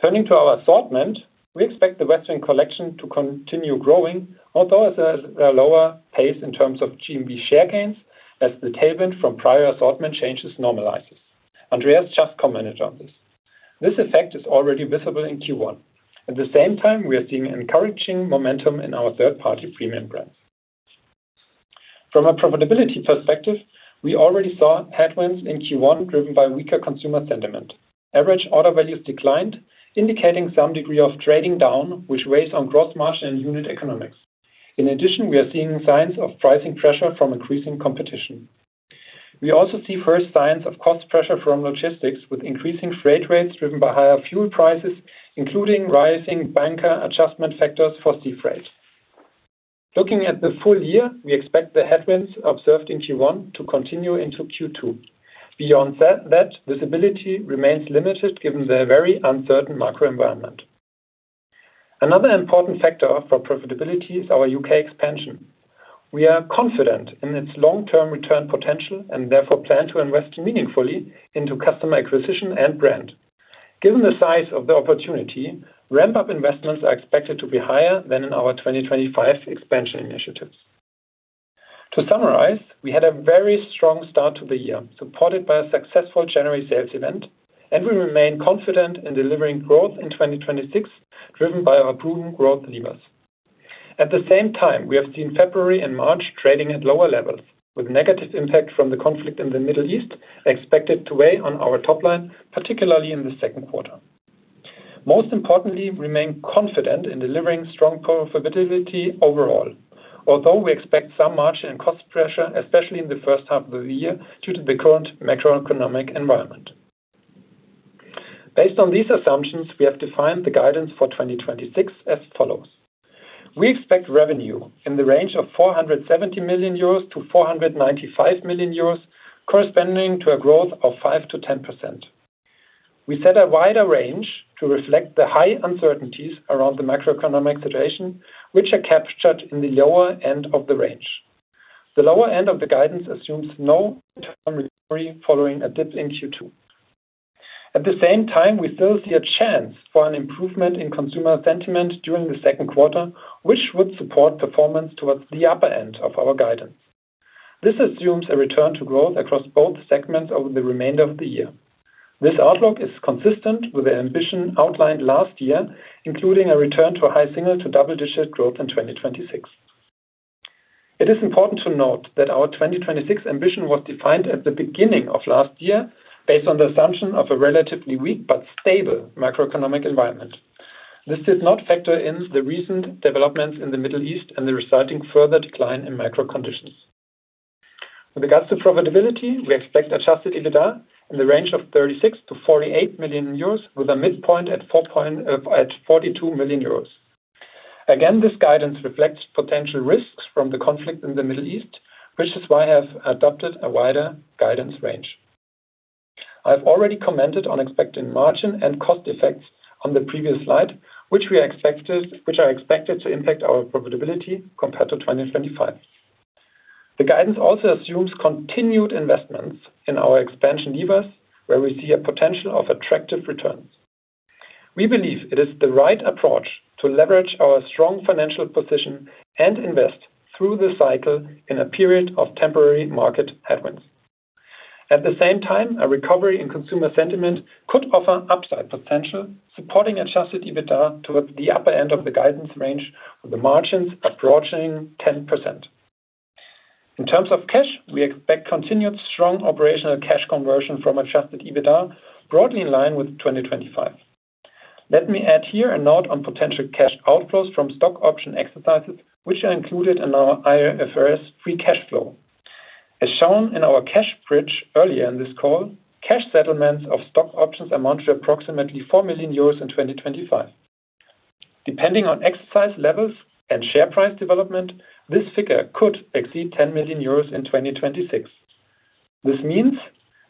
Turning to our assortment, we expect the Westwing Collection to continue growing, although at a lower pace in terms of GMV share gains as the tailwind from prior assortment changes normalizes. Andreas just commented on this. This effect is already visible in Q1. At the same time, we are seeing encouraging momentum in our third-party premium brands. From a profitability perspective, we already saw headwinds in Q1 driven by weaker consumer sentiment. Average order values declined, indicating some degree of trading down, which weighs on gross margin and unit economics. In addition, we are seeing signs of pricing pressure from increasing competition. We also see first signs of cost pressure from logistics with increasing freight rates driven by higher fuel prices, including rising bunker adjustment factors for sea freight. Looking at the full year, we expect the headwinds observed in Q1 to continue into Q2. Beyond that visibility remains limited given the very uncertain macro environment. Another important factor for profitability is our U.K. expansion. We are confident in its long-term return potential and therefore plan to invest meaningfully into customer acquisition and brand. Given the size of the opportunity, ramp-up investments are expected to be higher than in our 2025 expansion initiatives. To summarize, we had a very strong start to the year, supported by a successful January sales event, and we remain confident in delivering growth in 2026, driven by our proven growth levers. At the same time, we have seen February and March trading at lower levels, with negative impact from the conflict in the Middle East expected to weigh on our top line, particularly in the second quarter. Most importantly, we remain confident in delivering strong profitability overall, although we expect some margin and cost pressure, especially in the first half of the year, due to the current macroeconomic environment. Based on these assumptions, we have defined the guidance for 2026 as follows. We expect revenue in the range of 470 million-495 million euros, corresponding to a growth of 5%-10%. We set a wider range to reflect the high uncertainties around the macroeconomic situation, which are captured in the lower end of the range. The lower end of the guidance assumes no further recovery following a dip in Q2. At the same time, we still see a chance for an improvement in consumer sentiment during the second quarter, which would support performance towards the upper end of our guidance. This assumes a return to growth across both segments over the remainder of the year. This outlook is consistent with the ambition outlined last year, including a return to a high single-digit to double-digit growth in 2026. It is important to note that our 2026 ambition was defined at the beginning of last year based on the assumption of a relatively weak but stable macroeconomic environment. This did not factor in the recent developments in the Middle East and the resulting further decline in macro conditions. With regards to profitability, we expect adjusted EBITDA in the range of 36 million-48 million euros, with a midpoint at 42 million euros. Again, this guidance reflects potential risks from the conflict in the Middle East, which is why I have adopted a wider guidance range. I've already commented on expecting margin and cost effects on the previous slide, which are expected to impact our profitability compared to 2025. The guidance also assumes continued investments in our expansion levers where we see a potential of attractive returns. We believe it is the right approach to leverage our strong financial position and invest through the cycle in a period of temporary market headwinds. At the same time, a recovery in consumer sentiment could offer upside potential, supporting adjusted EBITDA towards the upper end of the guidance range with the margins approaching 10%. In terms of cash, we expect continued strong operational cash conversion from adjusted EBITDA, broadly in line with 2025. Let me add here a note on potential cash outflows from stock option exercises, which are included in our IFRS free cash flow. As shown in our cash bridge earlier in this call, cash settlements of stock options amount to approximately 4 million euros in 2025. Depending on exercise levels and share price development, this figure could exceed 10 million euros in 2026. This means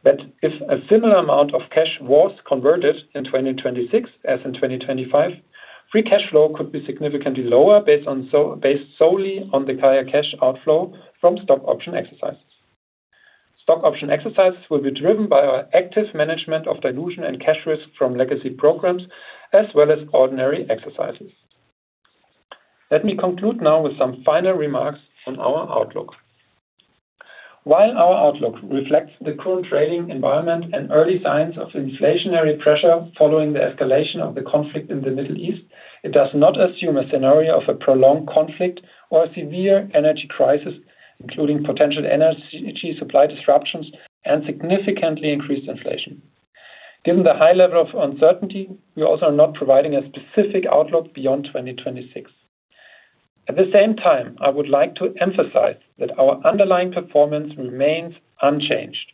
that if a similar amount of cash was converted in 2026 as in 2025, free cash flow could be significantly lower based solely on the higher cash outflow from stock option exercises. Stock option exercises will be driven by our active management of dilution and cash risk from legacy programs as well as ordinary exercises. Let me conclude now with some final remarks on our outlook. While our outlook reflects the current trading environment and early signs of inflationary pressure following the escalation of the conflict in the Middle East, it does not assume a scenario of a prolonged conflict or a severe energy crisis, including potential energy supply disruptions and significantly increased inflation. Given the high level of uncertainty, we also are not providing a specific outlook beyond 2026. At the same time, I would like to emphasize that our underlying performance remains unchanged.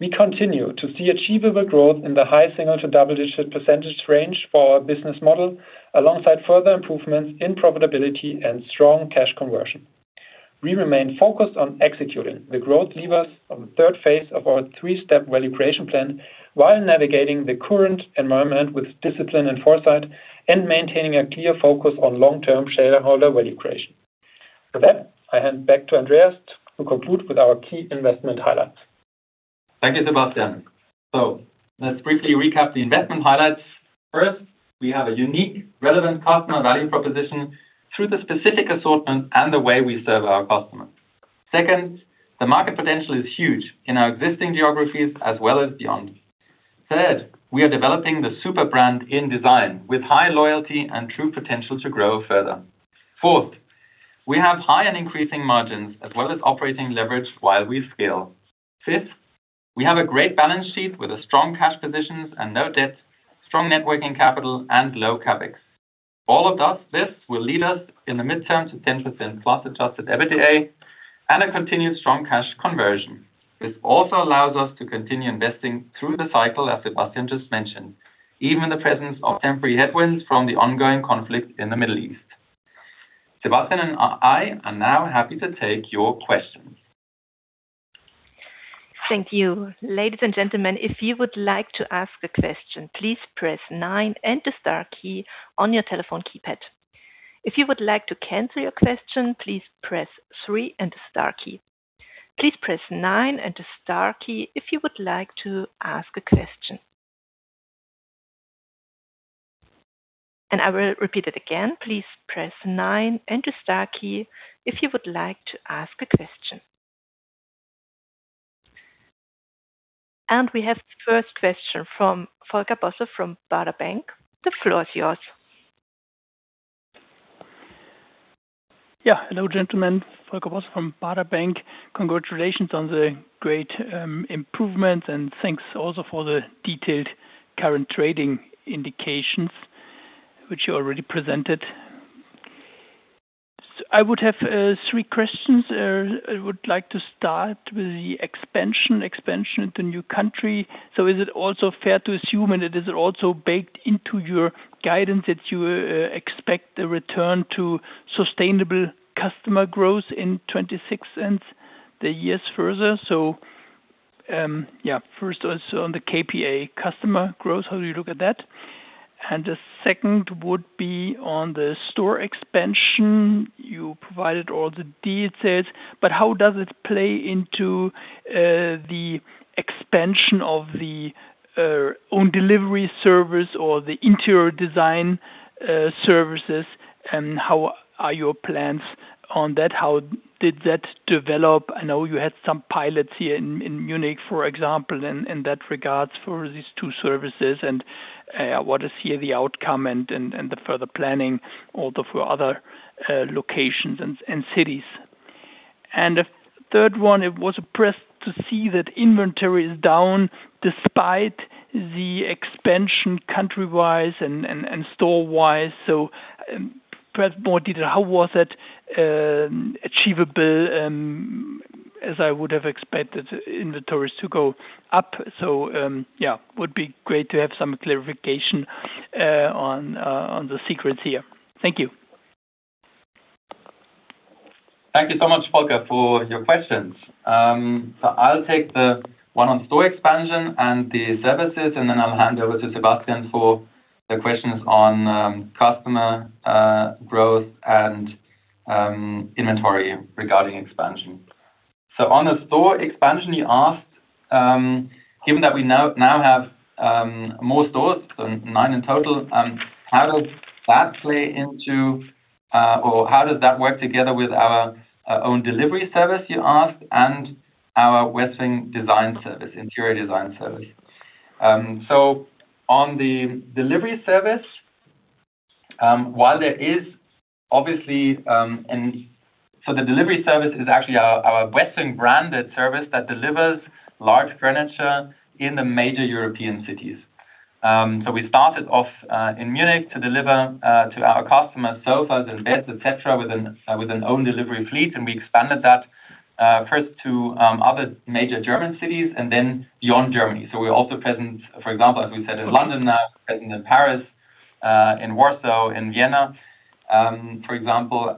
We continue to see achievable growth in the high single-digit to double-digit % range for our business model, alongside further improvements in profitability and strong cash conversion. We remain focused on executing the growth levers of the third phase of our three-step value creation plan while navigating the current environment with discipline and foresight and maintaining a clear focus on long-term shareholder value creation. With that, I hand back to Andreas to conclude with our key investment highlights. Thank you, Sebastian. Let's briefly recap the investment highlights. First, we have a unique, relevant customer value proposition through the specific assortment and the way we serve our customers. Second, the market potential is huge in our existing geographies as well as beyond. Third, we are developing the super brand in design with high loyalty and true potential to grow further. Fourth, we have high and increasing margins as well as operating leverage while we scale. Fifth, we have a great balance sheet with a strong cash position and no debt, strong net working capital and low CapEx. All of this will lead us in the midterm to 10%+ adjusted EBITDA and a continued strong cash conversion, which also allows us to continue investing through the cycle, as Sebastian just mentioned, even in the presence of temporary headwinds from the ongoing conflict in the Middle East. Sebastian and I are now happy to take your questions. Thank you. Ladies and gentlemen, if you would like to ask a question, please press nine and the star key on your telephone keypad. If you would like to cancel your question, please press three and the star key. Please press nine and the star key if you would like to ask a question. I will repeat it again. Please press nine and the star key if you would like to ask a question. We have the first question from Volker Bosse from Baader Bank. The floor is yours. Yeah. Hello, gentlemen. Volker Bosse from Baader Bank. Congratulations on the great improvements and thanks also for the detailed current trading indications which you already presented. I would have three questions. I would like to start with the expansion into new country. Is it also fair to assume, and is it also baked into your guidance that you expect a return to sustainable customer growth in 2026 and the years further? Yeah, first also on the KPI customer growth, how do you look at that? The second would be on the store expansion. You provided all the details, but how does it play into the expansion of the own delivery service or the interior design services, and how are your plans on that? How did that develop? I know you had some pilots here in Munich, for example, in that regard for these two services. What is here the outcome and the further planning also for other locations and cities? The third one, I was impressed to see that inventory is down despite the expansion country-wise and store-wise. Perhaps more detail, how was it achievable. As I would have expected inventories to go up. Yeah, would be great to have some clarification on the secrets here. Thank you. Thank you so much, Volker, for your questions. I'll take the one on store expansion and the services, and then I'll hand over to Sebastian for the questions on customer growth and inventory regarding expansion. On the store expansion you asked, given that we now have more stores, nine in total, how does that play into or how does that work together with our own delivery service, you ask, and our Westwing Design Service, interior design service. On the delivery service, while there is obviously, the delivery service is actually our Westwing branded service that delivers large furniture in the major European cities. We started off in Munich to deliver to our customers sofas and beds, etc., with an own delivery fleet. We expanded that first to other major German cities and then beyond Germany. We're also present, for example, as we said, in London now, present in Paris, in Warsaw, in Vienna, for example.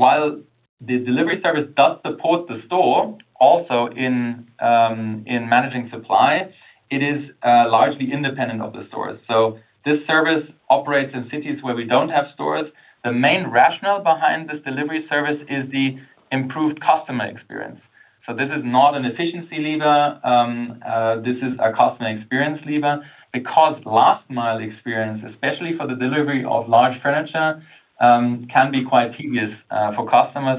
While the delivery service does support the store also in managing supply, it is largely independent of the stores. This service operates in cities where we don't have stores. The main rationale behind this delivery service is the improved customer experience. This is not an efficiency lever. This is a customer experience lever. Because last mile experience, especially for the delivery of large furniture, can be quite tedious for customers.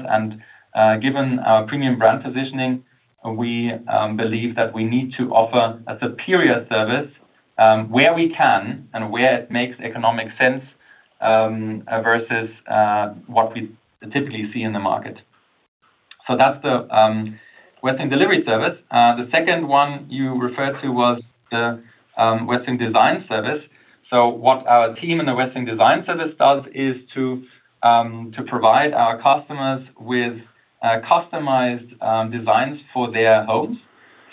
Given our premium brand positioning, we believe that we need to offer a superior service where we can and where it makes economic sense versus what we typically see in the market. That's the Westwing Delivery Service. The second one you referred to was the Westwing Design Service. What our team in the Westwing Design Service does is to provide our customers with customized designs for their homes.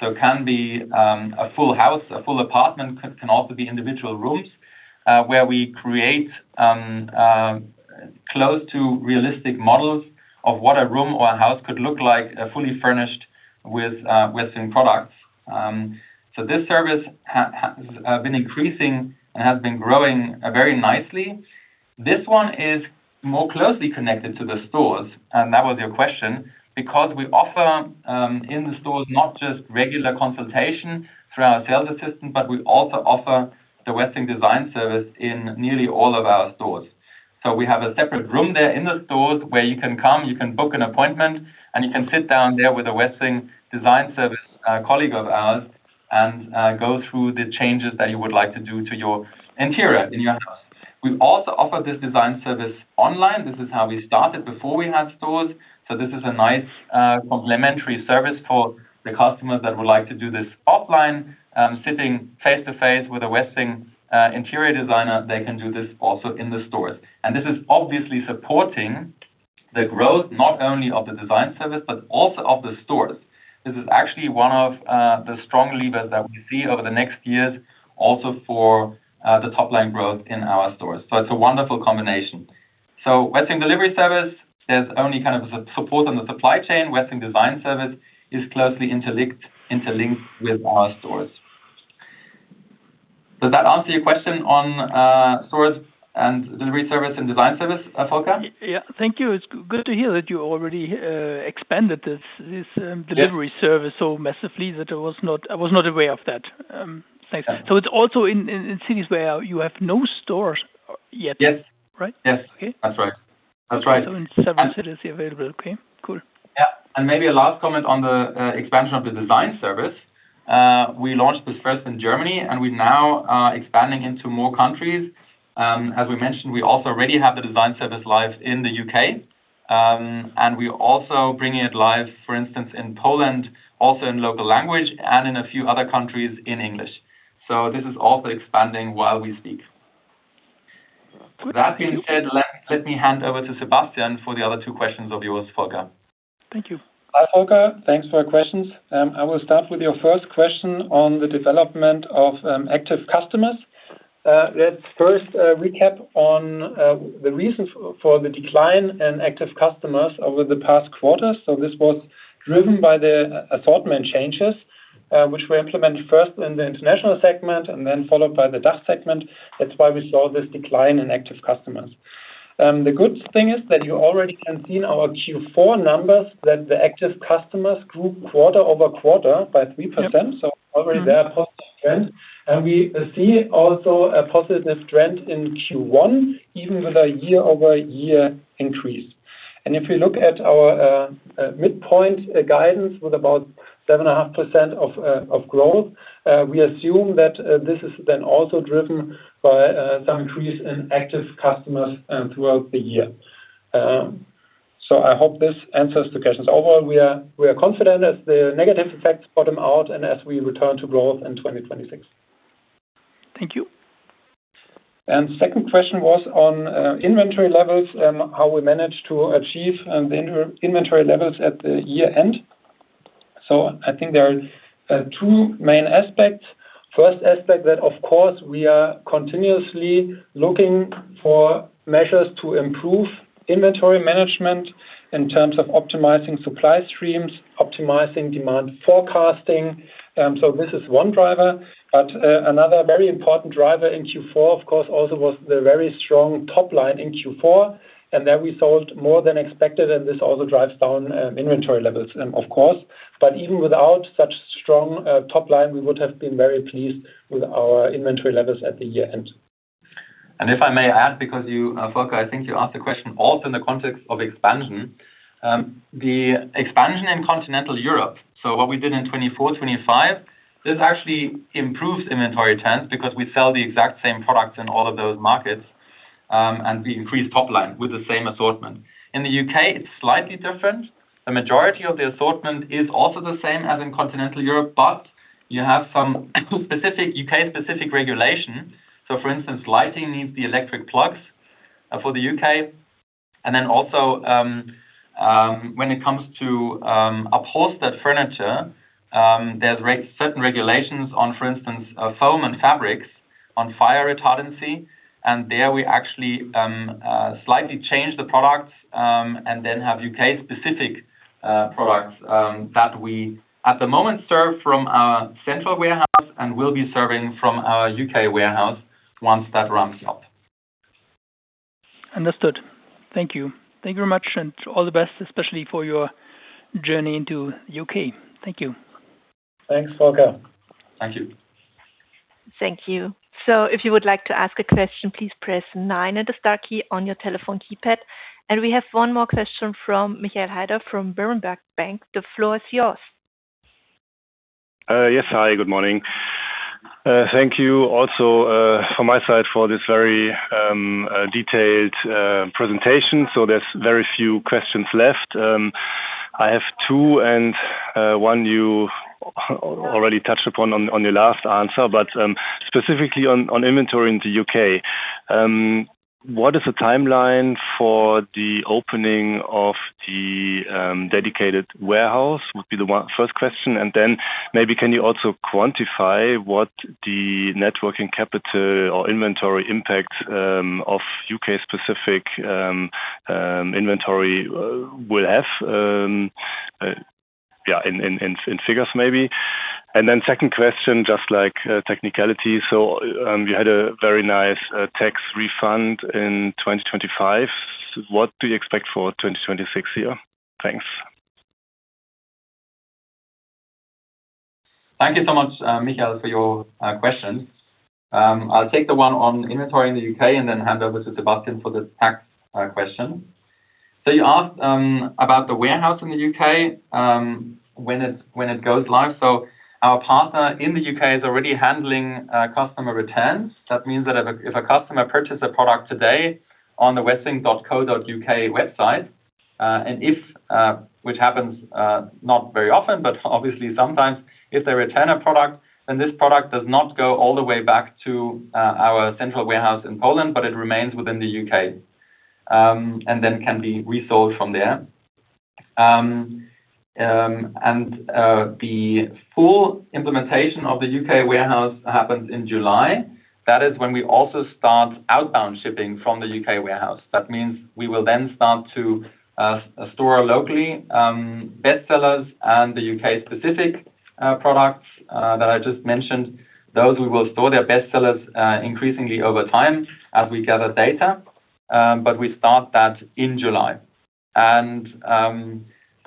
It can be a full house, a full apartment. It can also be individual rooms where we create close to realistic models of what a room or a house could look like fully furnished with Westwing products. This service has been increasing and has been growing very nicely. This one is more closely connected to the stores, and that was your question, because we offer in the stores not just regular consultation through our sales assistant, but we also offer the Westwing Design Service in nearly all of our stores. We have a separate room there in the stores where you can come, you can book an appointment, and you can sit down there with a Westwing Design Service colleague of ours and go through the changes that you would like to do to your interior in your house. We also offer this design service online. This is how we started before we had stores. This is a nice complimentary service for the customers that would like to do this offline, sitting face-to-face with a Westwing interior designer. They can do this also in the stores. This is obviously supporting the growth not only of the design service but also of the stores. This is actually one of the strong levers that we see over the next years also for the top line growth in our stores. It's a wonderful combination. Westwing Delivery Service is only kind of a support on the supply chain. Westwing Design Service is closely interlinked with our stores. Does that answer your question on stores and delivery service and design service, Volker? Yeah. Thank you. It's good to hear that you already expanded this. Yes... delivery service so massively that I was not aware of that. Thanks. Yeah. It's also in cities where you have no stores yet. Yes. Right? Yes. Okay. That's right. That's right. In seven cities available. Okay, cool. Maybe a last comment on the expansion of the design service. We launched this first in Germany, and we now are expanding into more countries. As we mentioned, we also already have the design service live in the U.K. We are also bringing it live, for instance, in Poland, also in local language and in a few other countries in English. This is also expanding while we speak. Good. Thank you. With that being said, let me hand over to Sebastian for the other two questions of yours, Volker. Thank you. Hi, Volker. Thanks for your questions. I will start with your first question on the development of active customers. Let's first recap on the reasons for the decline in active customers over the past quarter. This was driven by the assortment changes, which were implemented first in the international segment and then followed by the DACH segment. That's why we saw this decline in active customers. The good thing is that you already can see in our Q4 numbers that the active customers grew quarter-over-quarter by 3%. Yep. Mm-hmm There is already a positive trend. We see also a positive trend in Q1, even with a year-over-year increase. If you look at our midpoint guidance with about 7.5% growth, we assume that this is then also driven by some increase in active customers throughout the year. I hope this answers the questions. Overall, we are confident that the negative effects bottom out and as we return to growth in 2026. Thank you. Second question was on inventory levels and how we managed to achieve the inventory levels at the year-end. I think there are two main aspects. First aspect that, of course, we are continuously looking for measures to improve inventory management in terms of optimizing supply streams, optimizing demand forecasting. This is one driver. Another very important driver in Q4, of course, also was the very strong top line in Q4, and there we sold more than expected, and this also drives down inventory levels, of course. Even without such strong top line, we would have been very pleased with our inventory levels at the year-end. If I may add, because you, Volker, I think you asked the question also in the context of expansion. The expansion in continental Europe, what we did in 2024, 2025, this actually improves inventory trends because we sell the exact same products in all of those markets, and we increase top line with the same assortment. In the U.K., it's slightly different. The majority of the assortment is also the same as in continental Europe, but you have some specific U.K.-specific regulation. For instance, lighting needs the electric plugs for the U.K. Then also, when it comes to upholstered furniture, there's certain regulations on, for instance, foam and fabrics on fire retardancy. There we actually slightly change the products, and then have U.K.-specific products that we at the moment serve from our central warehouse and will be serving from our U.K. warehouse once that ramps up. Understood. Thank you. Thank you very much and all the best, especially for your journey into U.K. Thank you. Thanks, Volker. Thank you. Thank you. If you would like to ask a question please press nine and the star key on your telephone keypad. We have one more question from Michael Heider from Berenberg Bank. The floor is yours. Yes. Hi, good morning. Thank you also from my side for this very detailed presentation. There's very few questions left. I have two and one you already touched upon on your last answer, but specifically on inventory in the U.K. What is the timeline for the opening of the dedicated warehouse? That would be the first question. Maybe can you also quantify what the net working capital or inventory impact of U.K.-specific inventory will have, yeah, in figures maybe. Second question, just like technicality. You had a very nice tax refund in 2025. What do you expect for 2026? Thanks. Thank you so much, Michael, for your questions. I'll take the one on inventory in the U.K. and then hand over to Sebastian for the tax question. You asked about the warehouse in the U.K., when it goes live. Our partner in the U.K. is already handling customer returns. That means that if a customer purchased a product today on the westwing.co.uk website, and if, which happens not very often, but obviously sometimes if they return a product, then this product does not go all the way back to our central warehouse in Poland, but it remains within the U.K., and then can be resold from there. The full implementation of the U.K. warehouse happens in July. That is when we also start outbound shipping from the U.K. warehouse. That means we will then start to store locally bestsellers and the U.K.-specific products that I just mentioned. Those we will store their bestsellers increasingly over time as we gather data. We start that in July.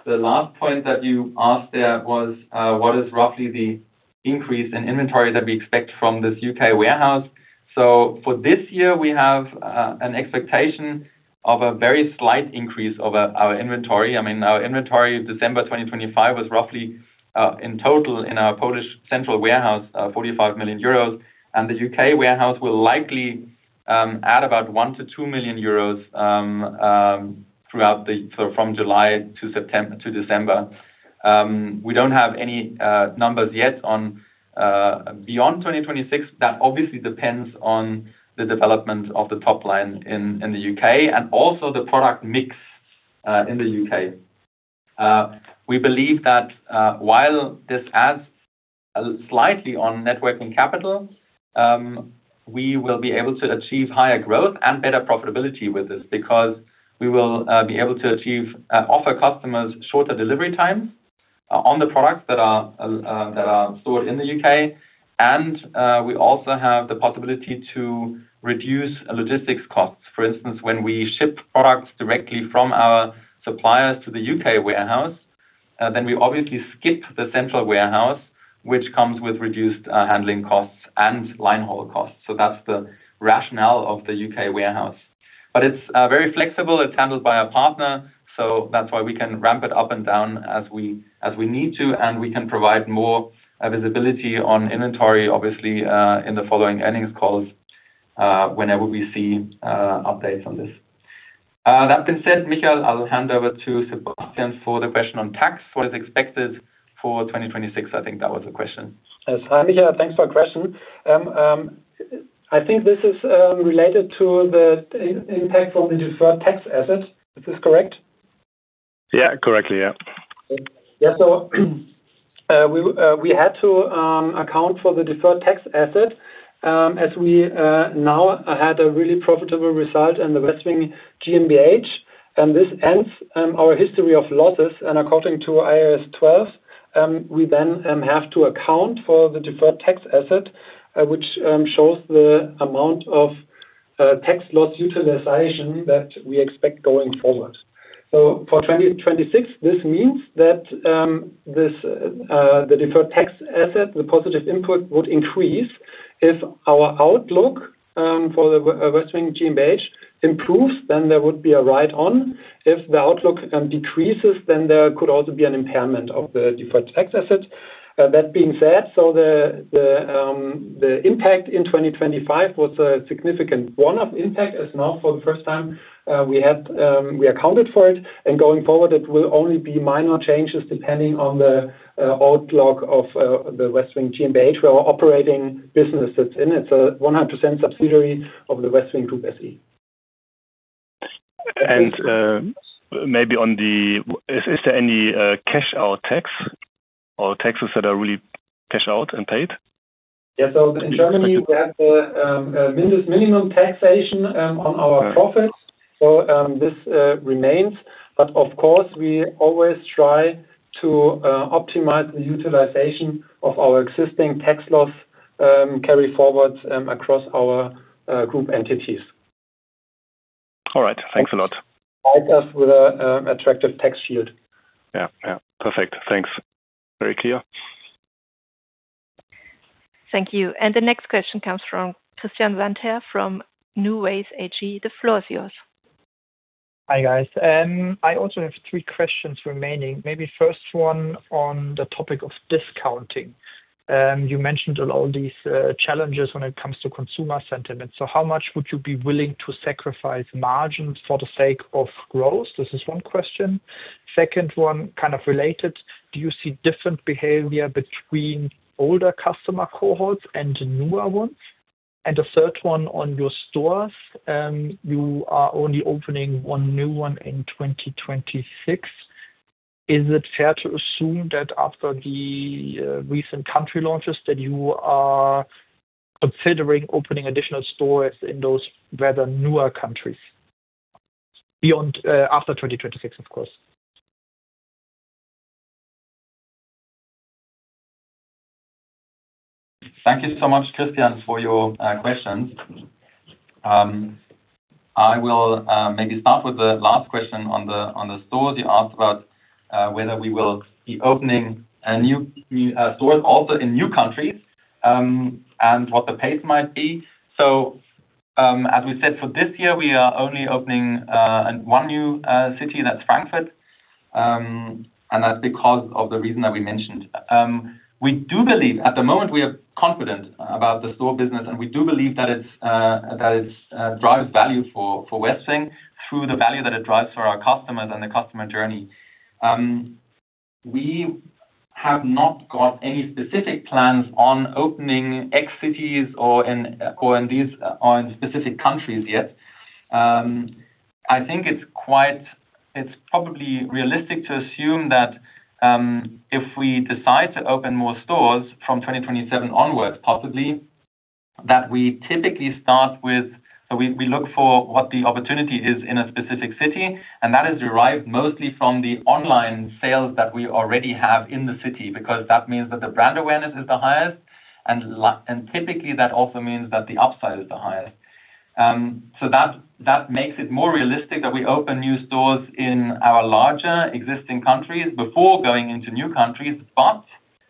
The last point that you asked there was what is roughly the increase in inventory that we expect from this U.K. warehouse. For this year, we have an expectation of a very slight increase of our inventory. I mean, our inventory December 2025 was roughly in total in our Polish central warehouse 45 million euros. The U.K. warehouse will likely add about 1-2 million euros from July to December. We don't have any numbers yet on beyond 2026. That obviously depends on the development of the top line in the U.K. and also the product mix in the U.K. We believe that while this adds slightly on net working capital, we will be able to achieve higher growth and better profitability with this because we will be able to offer customers shorter delivery times on the products that are stored in the U.K. We also have the possibility to reduce logistics costs. For instance, when we ship products directly from our suppliers to the U.K. warehouse, then we obviously skip the central warehouse, which comes with reduced handling costs and line haul costs. That's the rationale of the U.K. warehouse. It's very flexible. It's handled by our partner, so that's why we can ramp it up and down as we need to, and we can provide more visibility on inventory, obviously, in the following earnings calls, whenever we see updates on this. That being said, Michael, I'll hand over to Sebastian for the question on tax, what is expected for 2026. I think that was the question. Yes. Hi, Michael, thanks for the question. I think this is related to the impact from the deferred tax asset. Is this correct? Yeah, correctly. Yeah. Yeah. We had to account for the deferred tax asset, as we now had a really profitable result in the Westwing GmbH, and this ends our history of losses. According to IAS 12, we then have to account for the deferred tax asset, which shows the amount of tax loss utilization that we expect going forward. For 2026, this means that this, the deferred tax asset, the positive input would increase. If our outlook for the Westwing GmbH improves, then there would be a write-up. If the outlook decreases, then there could also be an impairment of the deferred tax asset. That being said, the impact in 2025 was a significant one-off impact, as now for the first time we accounted for it, and going forward, it will only be minor changes depending on the outlook of the Westwing GmbH, where our operating business sits in. It's a 100% subsidiary of the Westwing Group SE. Is there any cash tax or taxes that are really cash and paid? Yeah. In Germany, we have the business minimum taxation on our profits. This remains. But of course, we always try to optimize the utilization of our existing tax loss carry-forwards across our group entities. All right. Thanks a lot. Help us with a attractive tax shield. Yeah. Yeah. Perfect. Thanks. Very clear. Thank you. The next question comes from Christian Sandherr from Nuways AG. The floor is yours. Hi, guys. I also have three questions remaining. Maybe first one on the topic of discounting. You mentioned all these challenges when it comes to consumer sentiment. How much would you be willing to sacrifice margin for the sake of growth? This is one question. Second one, kind of related: Do you see different behavior between older customer cohorts and newer ones? The third one on your stores. You are only opening one new one in 2026. Is it fair to assume that after the recent country launches that you are considering opening additional stores in those rather newer countries beyond after 2026, of course? Thank you so much, Christian, for your questions. I will maybe start with the last question on the stores. You asked about whether we will be opening new stores also in new countries and what the pace might be. As we said, for this year, we are only opening one new city, and that's Frankfurt. And that's because of the reason that we mentioned. We do believe. At the moment, we are confident about the store business, and we do believe that it drives value for Westwing through the value that it drives for our customers and the customer journey. We have not got any specific plans on opening X cities or in these or in specific countries yet. I think it's probably realistic to assume that if we decide to open more stores from 2027 onwards, possibly, we look for what the opportunity is in a specific city, and that is derived mostly from the online sales that we already have in the city, because that means that the brand awareness is the highest and typically, that also means that the upside is the highest. That makes it more realistic that we open new stores in our larger existing countries before going into new countries.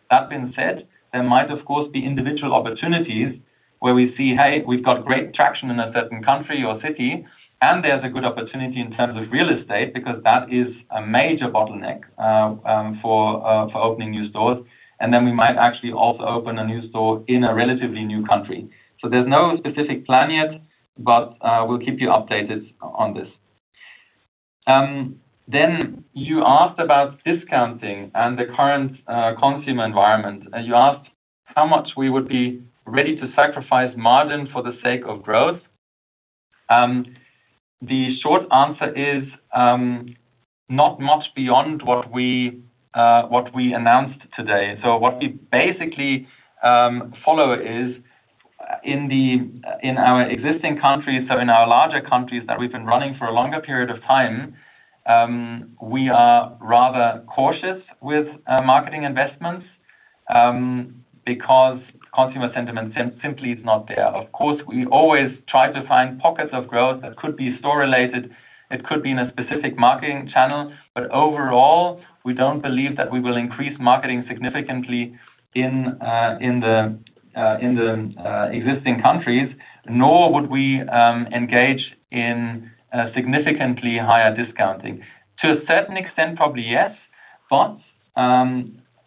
That being said, there might, of course, be individual opportunities where we see, hey, we've got great traction in a certain country or city, and there's a good opportunity in terms of real estate, because that is a major bottleneck for opening new stores. We might actually also open a new store in a relatively new country. There's no specific plan yet, but we'll keep you updated on this. You asked about discounting and the current consumer environment, and you asked how much we would be ready to sacrifice margin for the sake of growth. The short answer is, not much beyond what we announced today. What we basically follow is, in our existing countries, in our larger countries that we've been running for a longer period of time, we are rather cautious with marketing investments, because consumer sentiment simply is not there. Of course, we always try to find pockets of growth that could be store-related. It could be in a specific marketing channel. Overall, we don't believe that we will increase marketing significantly in existing countries, nor would we engage in significantly higher discounting. To a certain extent, probably yes.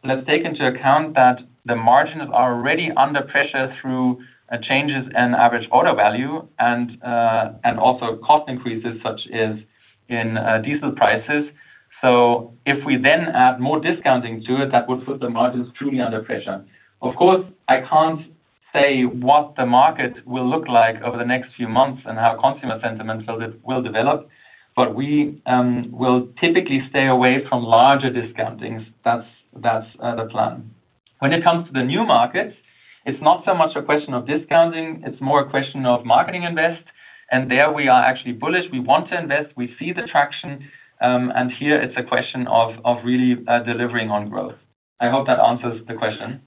Let's take into account that the margins are already under pressure through changes in average order value and also cost increases, such as in diesel prices. If we then add more discounting to it, that would put the margins truly under pressure. Of course, I can't say what the market will look like over the next few months and how consumer sentiment will develop, but we will typically stay away from larger discountings. That's the plan. When it comes to the new markets, it's not so much a question of discounting, it's more a question of marketing invest. There we are actually bullish. We want to invest. We see the traction, and here it's a question of really delivering on growth. I hope that answers the question.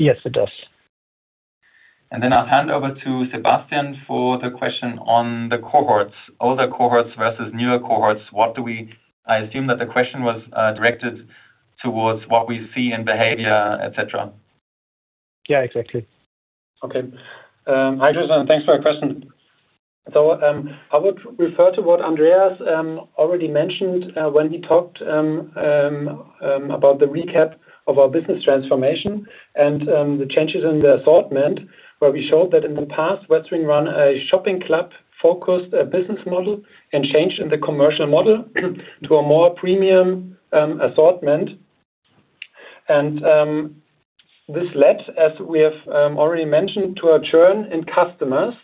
Yes, it does. I'll hand over to Sebastian for the question on the cohorts, older cohorts versus newer cohorts. I assume that the question was directed towards what we see in behavior, etc. Yeah, exactly. Okay. Hi, Christian, and thanks for your question. I would refer to what Andreas already mentioned when he talked about the recap of our business transformation and the changes in the assortment, where we showed that in the past, Westwing ran a shopping club-focused business model and changed in the commercial model to a more premium assortment. This led, as we have already mentioned, to a churn in customers,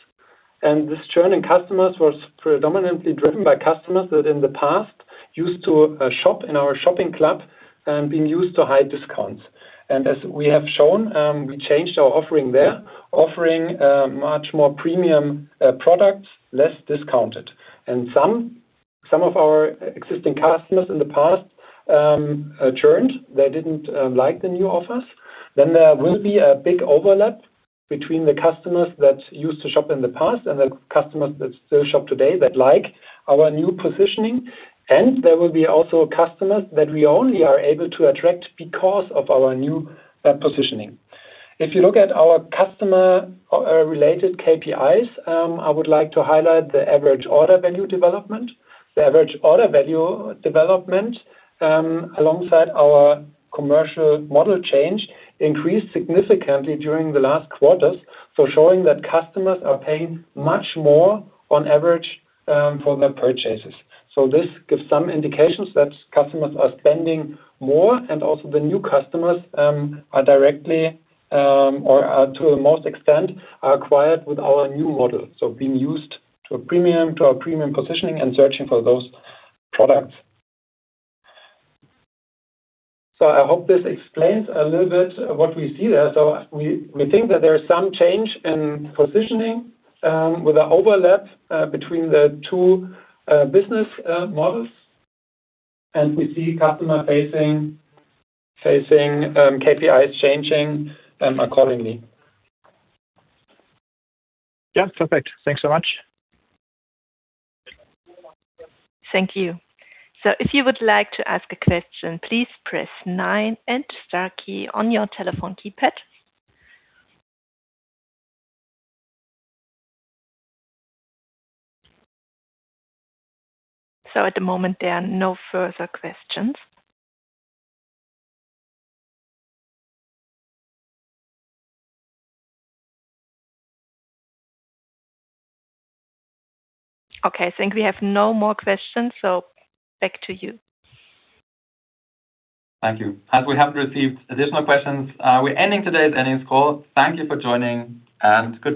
and this churn in customers was predominantly driven by customers that in the past used to shop in our shopping club being used to high discounts. As we have shown, we changed our offering there, offering much more premium products, less discounted. Some of our existing customers in the past churned. They didn't like the new offers. There will be a big overlap between the customers that used to shop in the past and the customers that still shop today that like our new positioning. There will be also customers that we only are able to attract because of our new positioning. If you look at our customer related KPIs, I would like to highlight the average order value development alongside our commercial model change, increased significantly during the last quarters, so showing that customers are paying much more on average for their purchases. This gives some indications that customers are spending more, and also the new customers are directly or to the most extent acquired with our new model, so being used to a premium our premium positioning and searching for those products. I hope this explains a little bit what we see there. We think that there is some change in positioning, with an overlap, between the two business models, and we see customer-facing KPIs changing accordingly. Yeah, perfect. Thanks so much. Thank you. If you would like to ask a question please press nine and star key on your telephone keypad. At the moment, there are no further questions. Okay, I think we have no more questions, so back to you. Thank you. As we haven't received additional questions, we're ending today's earnings call. Thank you for joining, and goodbye.